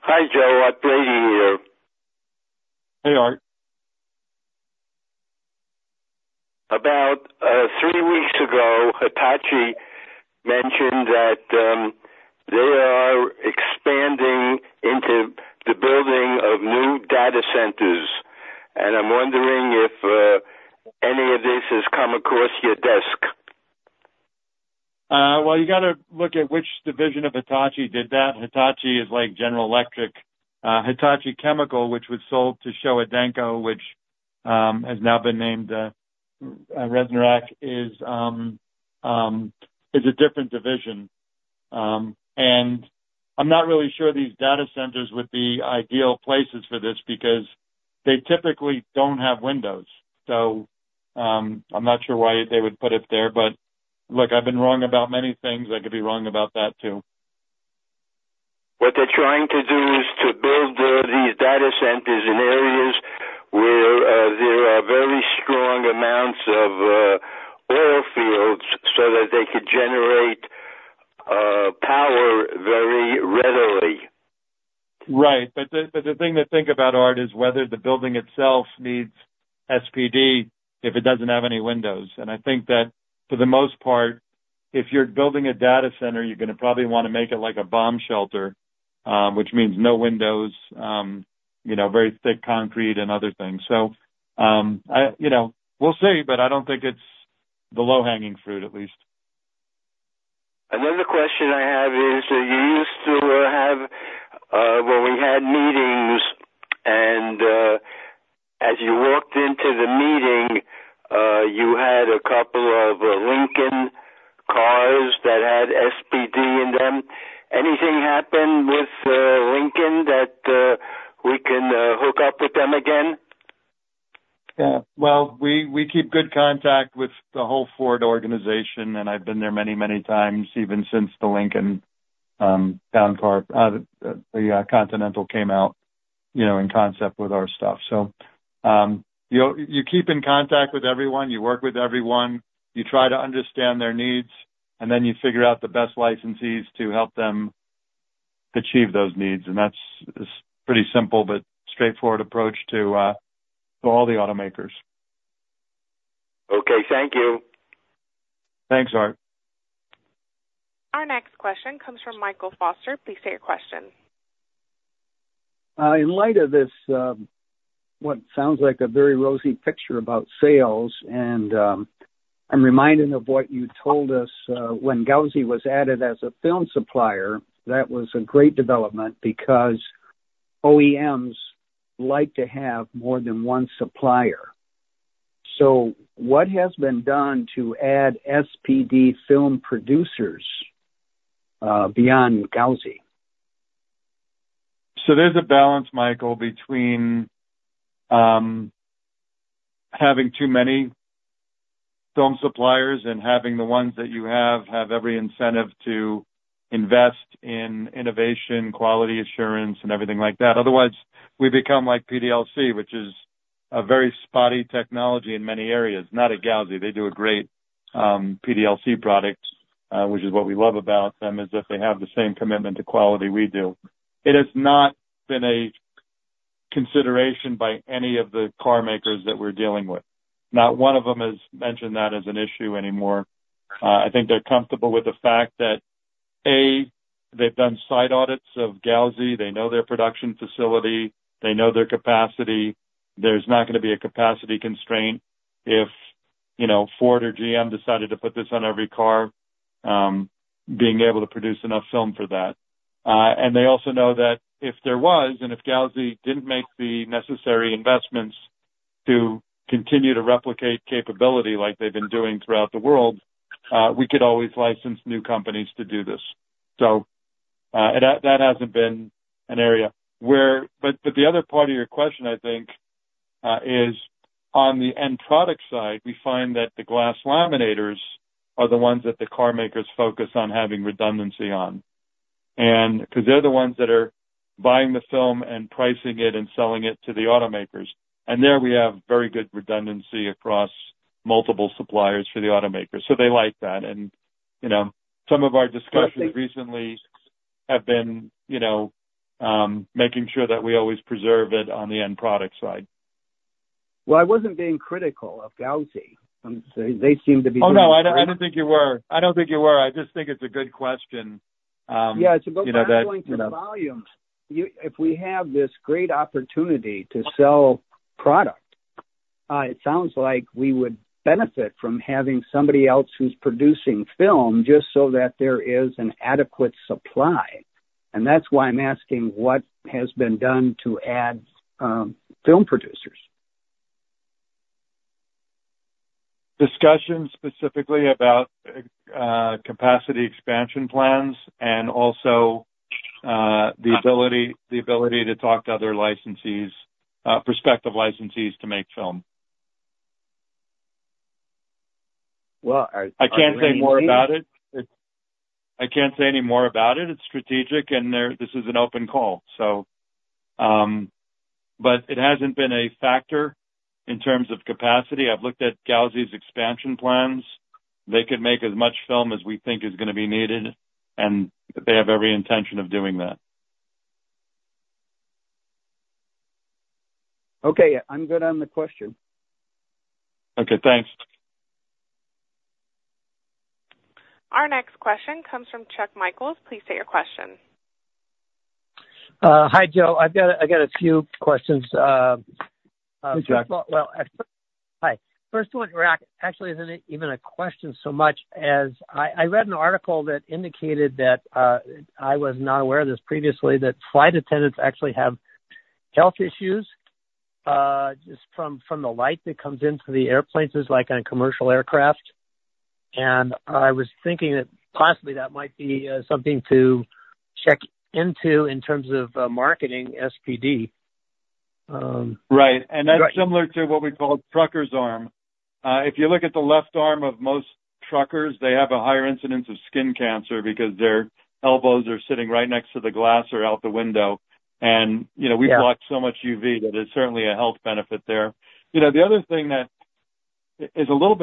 Hi, Joe. Art Brady here. Hey, Art. About three weeks ago, Hitachi mentioned that they are expanding into the building of new data centers. I'm wondering if any of this has come across your desk. You got to look at which division of Hitachi did that. Hitachi is like General Electric. Hitachi Chemical, which was sold to Showa Denko, which has now been named Resonac, is a different division. I'm not really sure these data centers would be ideal places for this because they typically don't have windows. I'm not sure why they would put it there. Look, I've been wrong about many things. I could be wrong about that too. What they're trying to do is to build these data centers in areas where there are very strong amounts of oil fields so that they could generate power very readily. Right. But the thing to think about, Art, is whether the building itself needs SPD if it doesn't have any windows. And I think that for the most part, if you're building a data center, you're going to probably want to make it like a bomb shelter, which means no windows, very thick concrete, and other things. So we'll see, but I don't think it's the low-hanging fruit, at least. Another question I have is you used to have when we had meetings, and as you walked into the meeting, you had a couple of Lincoln cars that had SPD in them. Anything happen with Lincoln that we can hook up with them again? Yeah. Well, we keep good contact with the whole Ford organization, and I've been there many, many times even since the Lincoln Continental came out in concept with our stuff. So you keep in contact with everyone. You work with everyone. You try to understand their needs, and then you figure out the best licensees to help them achieve those needs. And that's a pretty simple but straightforward approach to all the automakers. Okay. Thank you. Thanks, Art. Our next question comes from Michael Foster. Please state your question. In light of this, what sounds like a very rosy picture about sales, and I'm reminded of what you told us when Gauzy was added as a film supplier, that was a great development because OEMs like to have more than one supplier. So what has been done to add SPD film producers beyond Gauzy? So there's a balance, Michael, between having too many film suppliers and having the ones that you have every incentive to invest in innovation, quality assurance, and everything like that. Otherwise, we become like PDLC, which is a very spotty technology in many areas. Not at Gauzy. They do a great PDLC product, which is what we love about them, is that they have the same commitment to quality we do. It has not been a consideration by any of the car makers that we're dealing with. Not one of them has mentioned that as an issue anymore. I think they're comfortable with the fact that, A, they've done site audits of Gauzy. They know their production facility. They know their capacity. There's not going to be a capacity constraint if Ford or GM decided to put this on every car, being able to produce enough film for that. And they also know that if there was, and if Gauzy didn't make the necessary investments to continue to replicate capability like they've been doing throughout the world, we could always license new companies to do this. So that hasn't been an area. But the other part of your question, I think, is on the end product side. We find that the glass laminators are the ones that the car makers focus on having redundancy on because they're the ones that are buying the film and pricing it and selling it to the automakers. And there we have very good redundancy across multiple suppliers for the automakers. So they like that. And some of our discussions recently have been making sure that we always preserve it on the end product side. Well, I wasn't being critical of Gauzy. They seem to be doing something. Oh, no. I didn't think you were. I don't think you were. I just think it's a good question. Yeah. It's about building to volume. If we have this great opportunity to sell product, it sounds like we would benefit from having somebody else who's producing film just so that there is an adequate supply. And that's why I'm asking what has been done to add film producers. Discussions specifically about capacity expansion plans and also the ability to talk to other prospective licensees to make film. Well, I can't say more about it. I can't say any more about it. It's strategic, and this is an open call. But it hasn't been a factor in terms of capacity. I've looked at Gauzy's expansion plans. They could make as much film as we think is going to be needed, and they have every intention of doing that. Okay. I'm good on the question. Okay. Thanks. Our next question comes from Chuck Michaels. Please state your question. Hi, Joe. I've got a few questions. Well, hi. First one, actually, isn't even a question so much as I read an article that indicated that I was not aware of this previously, that flight attendants actually have health issues just from the light that comes into the airplanes like on commercial aircraft. And I was thinking that possibly that might be something to check into in terms of marketing SPD. Right. And that's similar to what we call trucker's arm. If you look at the left arm of most truckers, they have a higher incidence of skin cancer because their elbows are sitting right next to the glass or out the window. And we've blocked so much UV that it's certainly a health benefit there. The other thing that is a little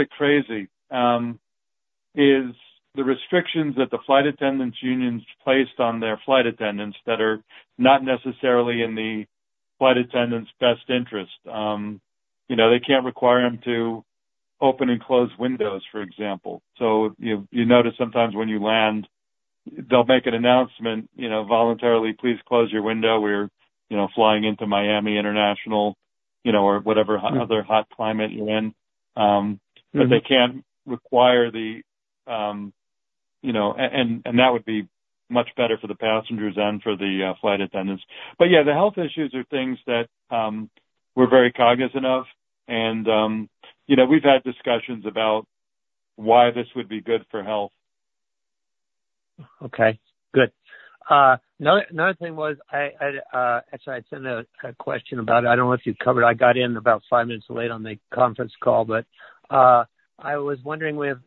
bit crazy is the restrictions that the flight attendants' union has placed on their flight attendants that are not necessarily in the flight attendants' best interest. They can't require them to open and close windows, for example. So you notice sometimes when you land, they'll make an announcement, "Voluntarily, please close your window. We're flying into Miami International or whatever other hot climate you're in." But they can't require them, and that would be much better for the passengers and for the flight attendants. But yeah, the health issues are things that we're very cognizant of. And we've had discussions about why this would be good for health. Okay. Good. Another thing was, actually, I sent a question about it. I don't know if you covered it. I got in about five minutes late on the conference call, but I was wondering if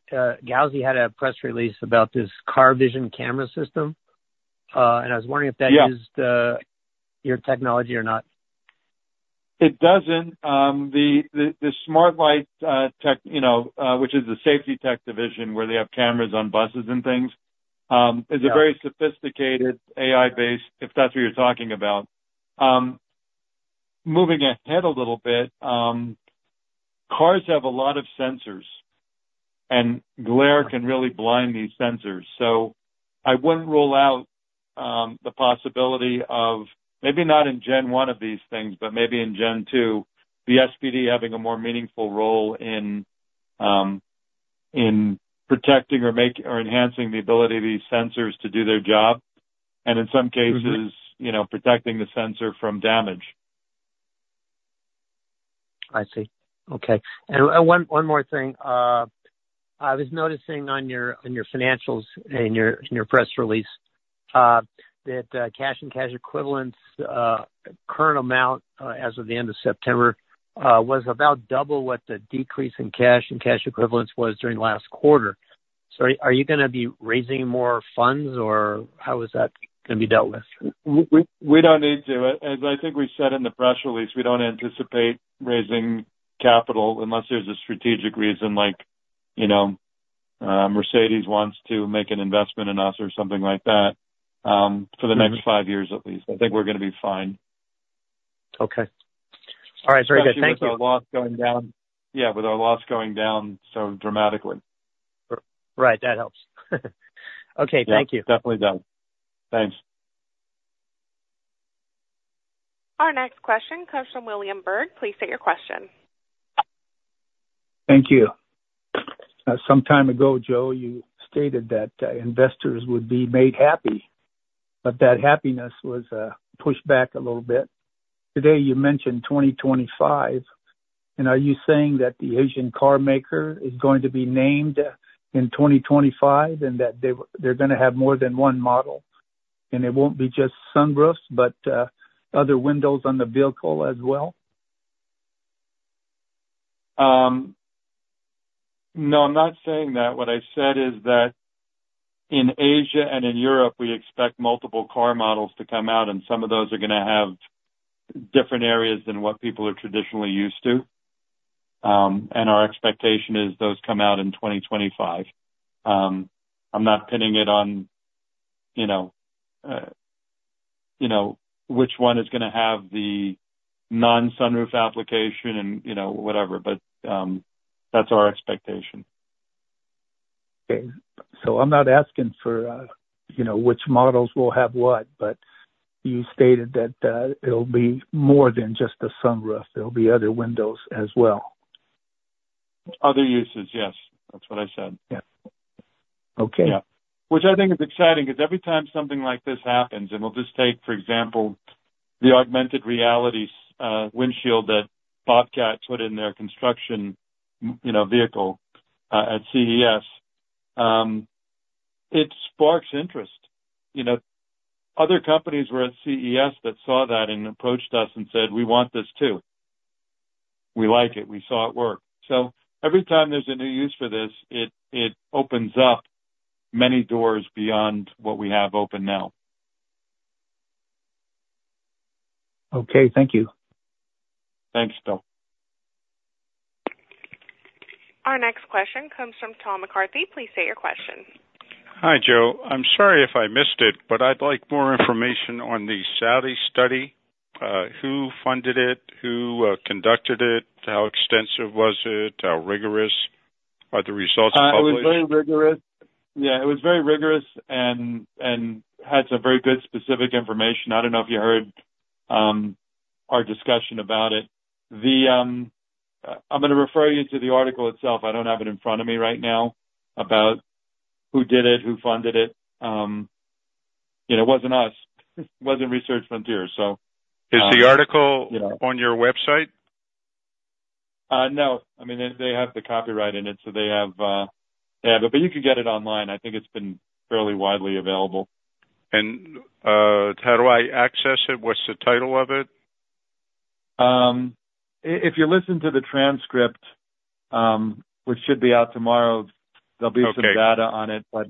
Gauzy had a press release about this CarVision camera system, and I was wondering if that used your technology or not. It doesn't. The Smart-Lite, which is the SafetyTech division where they have cameras on buses and things, is a very sophisticated AI-based, if that's what you're talking about. Moving ahead a little bit, cars have a lot of sensors, and glare can really blind these sensors. So I wouldn't rule out the possibility of maybe not in Gen 1 of these things, but maybe in Gen 2, the SPD having a more meaningful role in protecting or enhancing the ability of these sensors to do their job, and in some cases, protecting the sensor from damage. I see. Okay, and one more thing. I was noticing on your financials and your press release that cash and cash equivalents, current amount as of the end of September, was about double what the decrease in cash and cash equivalents was during last quarter. So are you going to be raising more funds, or how is that going to be dealt with? We don't need to. As I think we said in the press release, we don't anticipate raising capital unless there's a strategic reason like Mercedes wants to make an investment in us or something like that for the next five years at least. I think we're going to be fine. Okay. All right. Very good. Thank you. Especially with our loss going down. Yeah, with our loss going down so dramatically. Right. That helps. Okay. Thank you. Yeah. Definitely does. Thanks. Our next question comes from William Berg. Please state your question. Thank you. Some time ago, Joe, you stated that investors would be made happy, but that happiness was pushed back a little bit. Today, you mentioned 2025. And are you saying that the Asian car maker is going to be named in 2025 and that they're going to have more than one model? And it won't be just sunroofs, but other windows on the vehicle as well? No, I'm not saying that. What I said is that in Asia and in Europe, we expect multiple car models to come out, and some of those are going to have different areas than what people are traditionally used to. And our expectation is those come out in 2025. I'm not pinning it on which one is going to have the non-sunroof application and whatever, but that's our expectation. Okay. I'm not asking for which models will have what, but you stated that it'll be more than just the sunroof. There'll be other windows as well. Other uses, yes. That's what I said. Yeah. Okay. Which I think is exciting because every time something like this happens, and we'll just take, for example, the augmented reality windshield that Bobcat put in their construction vehicle at CES, it sparks interest. Other companies were at CES that saw that and approached us and said, "We want this too. We like it. We saw it work." So every time there's a new use for this, it opens up many doors beyond what we have open now. Okay. Thank you. Thanks, Bill. Our next question comes from Tom McCarthy. Please state your question. Hi, Joe. I'm sorry if I missed it, but I'd like more information on the Saudi study. Who funded it? Who conducted it? How extensive was it? How rigorous? Are the results published? It was very rigorous. Yeah. It was very rigorous and had some very good specific information. I don't know if you heard our discussion about it. I'm going to refer you to the article itself. I don't have it in front of me right now about who did it, who funded it. It wasn't us. It wasn't Research Frontiers, so. Is the article on your website? No. I mean, they have the copyright in it, so they have it. But you can get it online. I think it's been fairly widely available. And how do I access it? What's the title of it? If you listen to the transcript, which should be out tomorrow, there'll be some data on it, but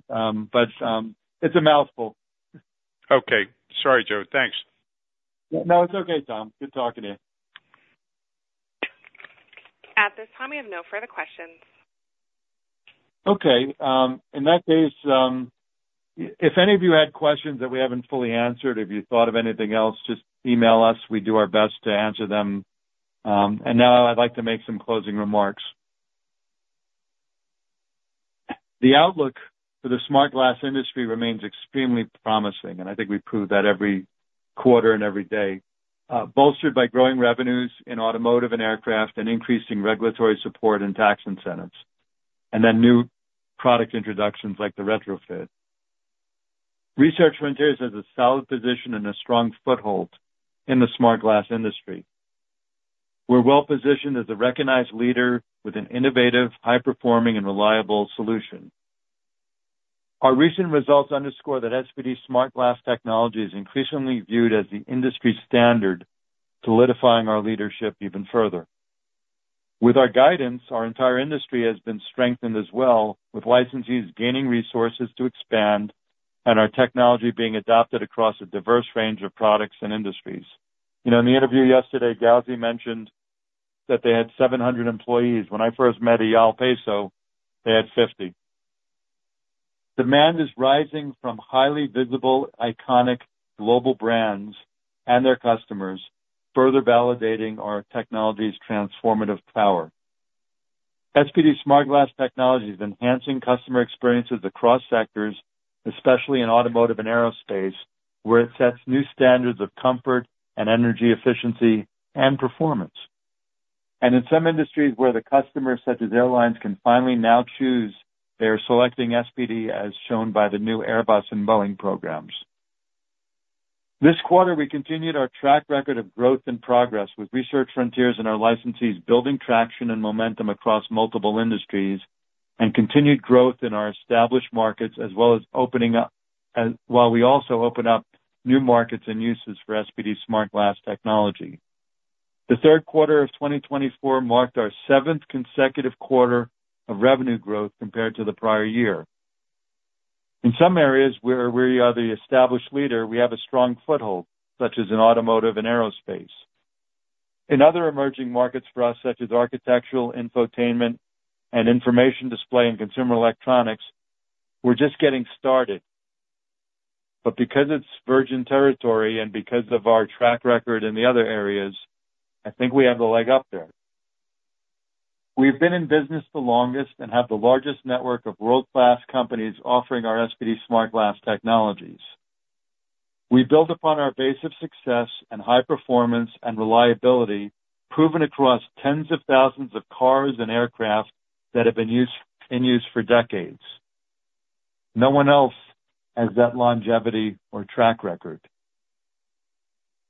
it's a mouthful. Okay. Sorry, Joe. Thanks. No, it's okay, Tom. Good talking to you. At this time, we have no further questions. Okay. In that case, if any of you had questions that we haven't fully answered, if you thought of anything else, just email us. We do our best to answer them, and now I'd like to make some closing remarks. The outlook for the smart glass industry remains extremely promising, and I think we prove that every quarter and every day, bolstered by growing revenues in automotive and aircraft and increasing regulatory support and tax incentives, and then new product introductions like the Retrofit. Research Frontiers has a solid position and a strong foothold in the smart glass industry. We're well-positioned as a recognized leader with an innovative, high-performing, and reliable solution. Our recent results underscore that SPD-SmartGlass technology is increasingly viewed as the industry standard, solidifying our leadership even further. With our guidance, our entire industry has been strengthened as well, with licensees gaining resources to expand and our technology being adopted across a diverse range of products and industries. In the interview yesterday, Gauzy mentioned that they had 700 employees. When I first met Eyal Peso, they had 50. Demand is rising from highly visible, iconic global brands and their customers, further validating our technology's transformative power. SPD-SmartGlass technology is enhancing customer experiences across sectors, especially in automotive and aerospace, where it sets new standards of comfort and energy efficiency and performance, and in some industries where the customers, such as airlines, can finally now choose, they are selecting SPD, as shown by the new Airbus and Boeing programs. This quarter, we continued our track record of growth and progress with Research Frontiers and our licensees building traction and momentum across multiple industries and continued growth in our established markets, as well as opening up, while we also open up new markets and uses for SPD-SmartGlass technology. The third quarter of 2024 marked our seventh consecutive quarter of revenue growth compared to the prior year. In some areas where we are the established leader, we have a strong foothold, such as in automotive and aerospace. In other emerging markets for us, such as architectural, infotainment, and information display and consumer electronics, we're just getting started. But because it's virgin territory and because of our track record in the other areas, I think we have the leg up there. We've been in business the longest and have the largest network of world-class companies offering our SPD-SmartGlass technologies. We build upon our base of success and high performance and reliability proven across tens of thousands of cars and aircraft that have been in use for decades. No one else has that longevity or track record.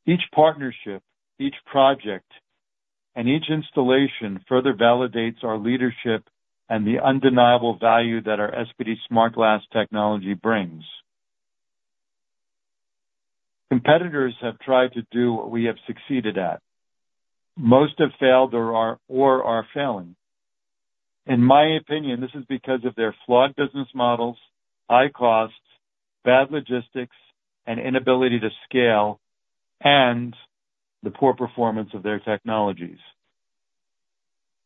Each partnership, each project, and each installation further validates our leadership and the undeniable value that our SPD-SmartGlass technology brings. Competitors have tried to do what we have succeeded at. Most have failed or are failing. In my opinion, this is because of their flawed business models, high costs, bad logistics, and inability to scale, and the poor performance of their technologies.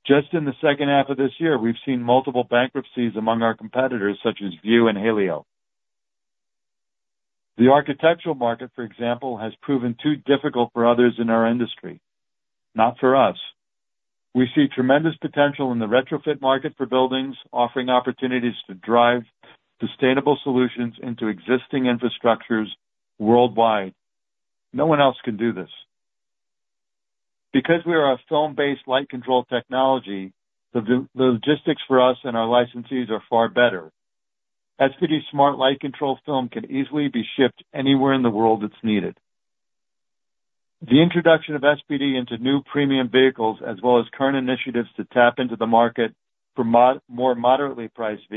Just in the second half of this year, we've seen multiple bankruptcies among our competitors, such as View and Halio. The architectural market, for example, has proven too difficult for others in our industry, not for us. We see tremendous potential in the retrofit market for buildings, offering opportunities to drive sustainable solutions into existing infrastructures worldwide. No one else can do this. Because we are a film-based light control technology, the logistics for us and our licensees are far better. SPD smart light control film can easily be shipped anywhere in the world that's needed. The introduction of SPD into new premium vehicles, as well as current initiatives to tap into the market for more moderately priced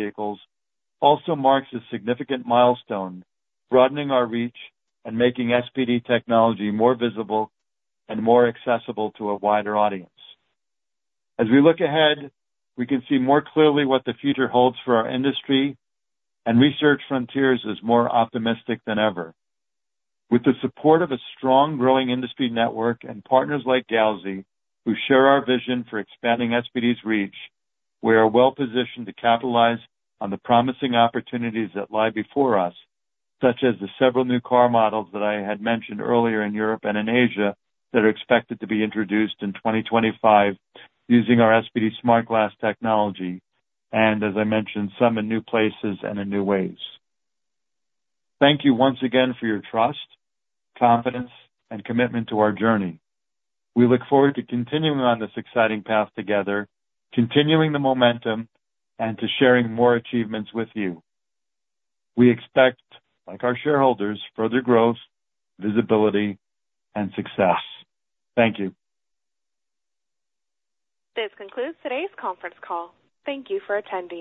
vehicles, also marks a significant milestone, broadening our reach and making SPD technology more visible and more accessible to a wider audience. As we look ahead, we can see more clearly what the future holds for our industry, and Research Frontiers is more optimistic than ever. With the support of a strong growing industry network and partners like Gauzy, who share our vision for expanding SPD's reach, we are well-positioned to capitalize on the promising opportunities that lie before us, such as the several new car models that I had mentioned earlier in Europe and in Asia that are expected to be introduced in 2025 using our SPD-SmartGlass technology, and as I mentioned, some in new places and in new ways. Thank you once again for your trust, confidence, and commitment to our journey. We look forward to continuing on this exciting path together, continuing the momentum, and to sharing more achievements with you. We expect, like our shareholders, further growth, visibility, and success. Thank you. This concludes today's conference call. Thank you for attending.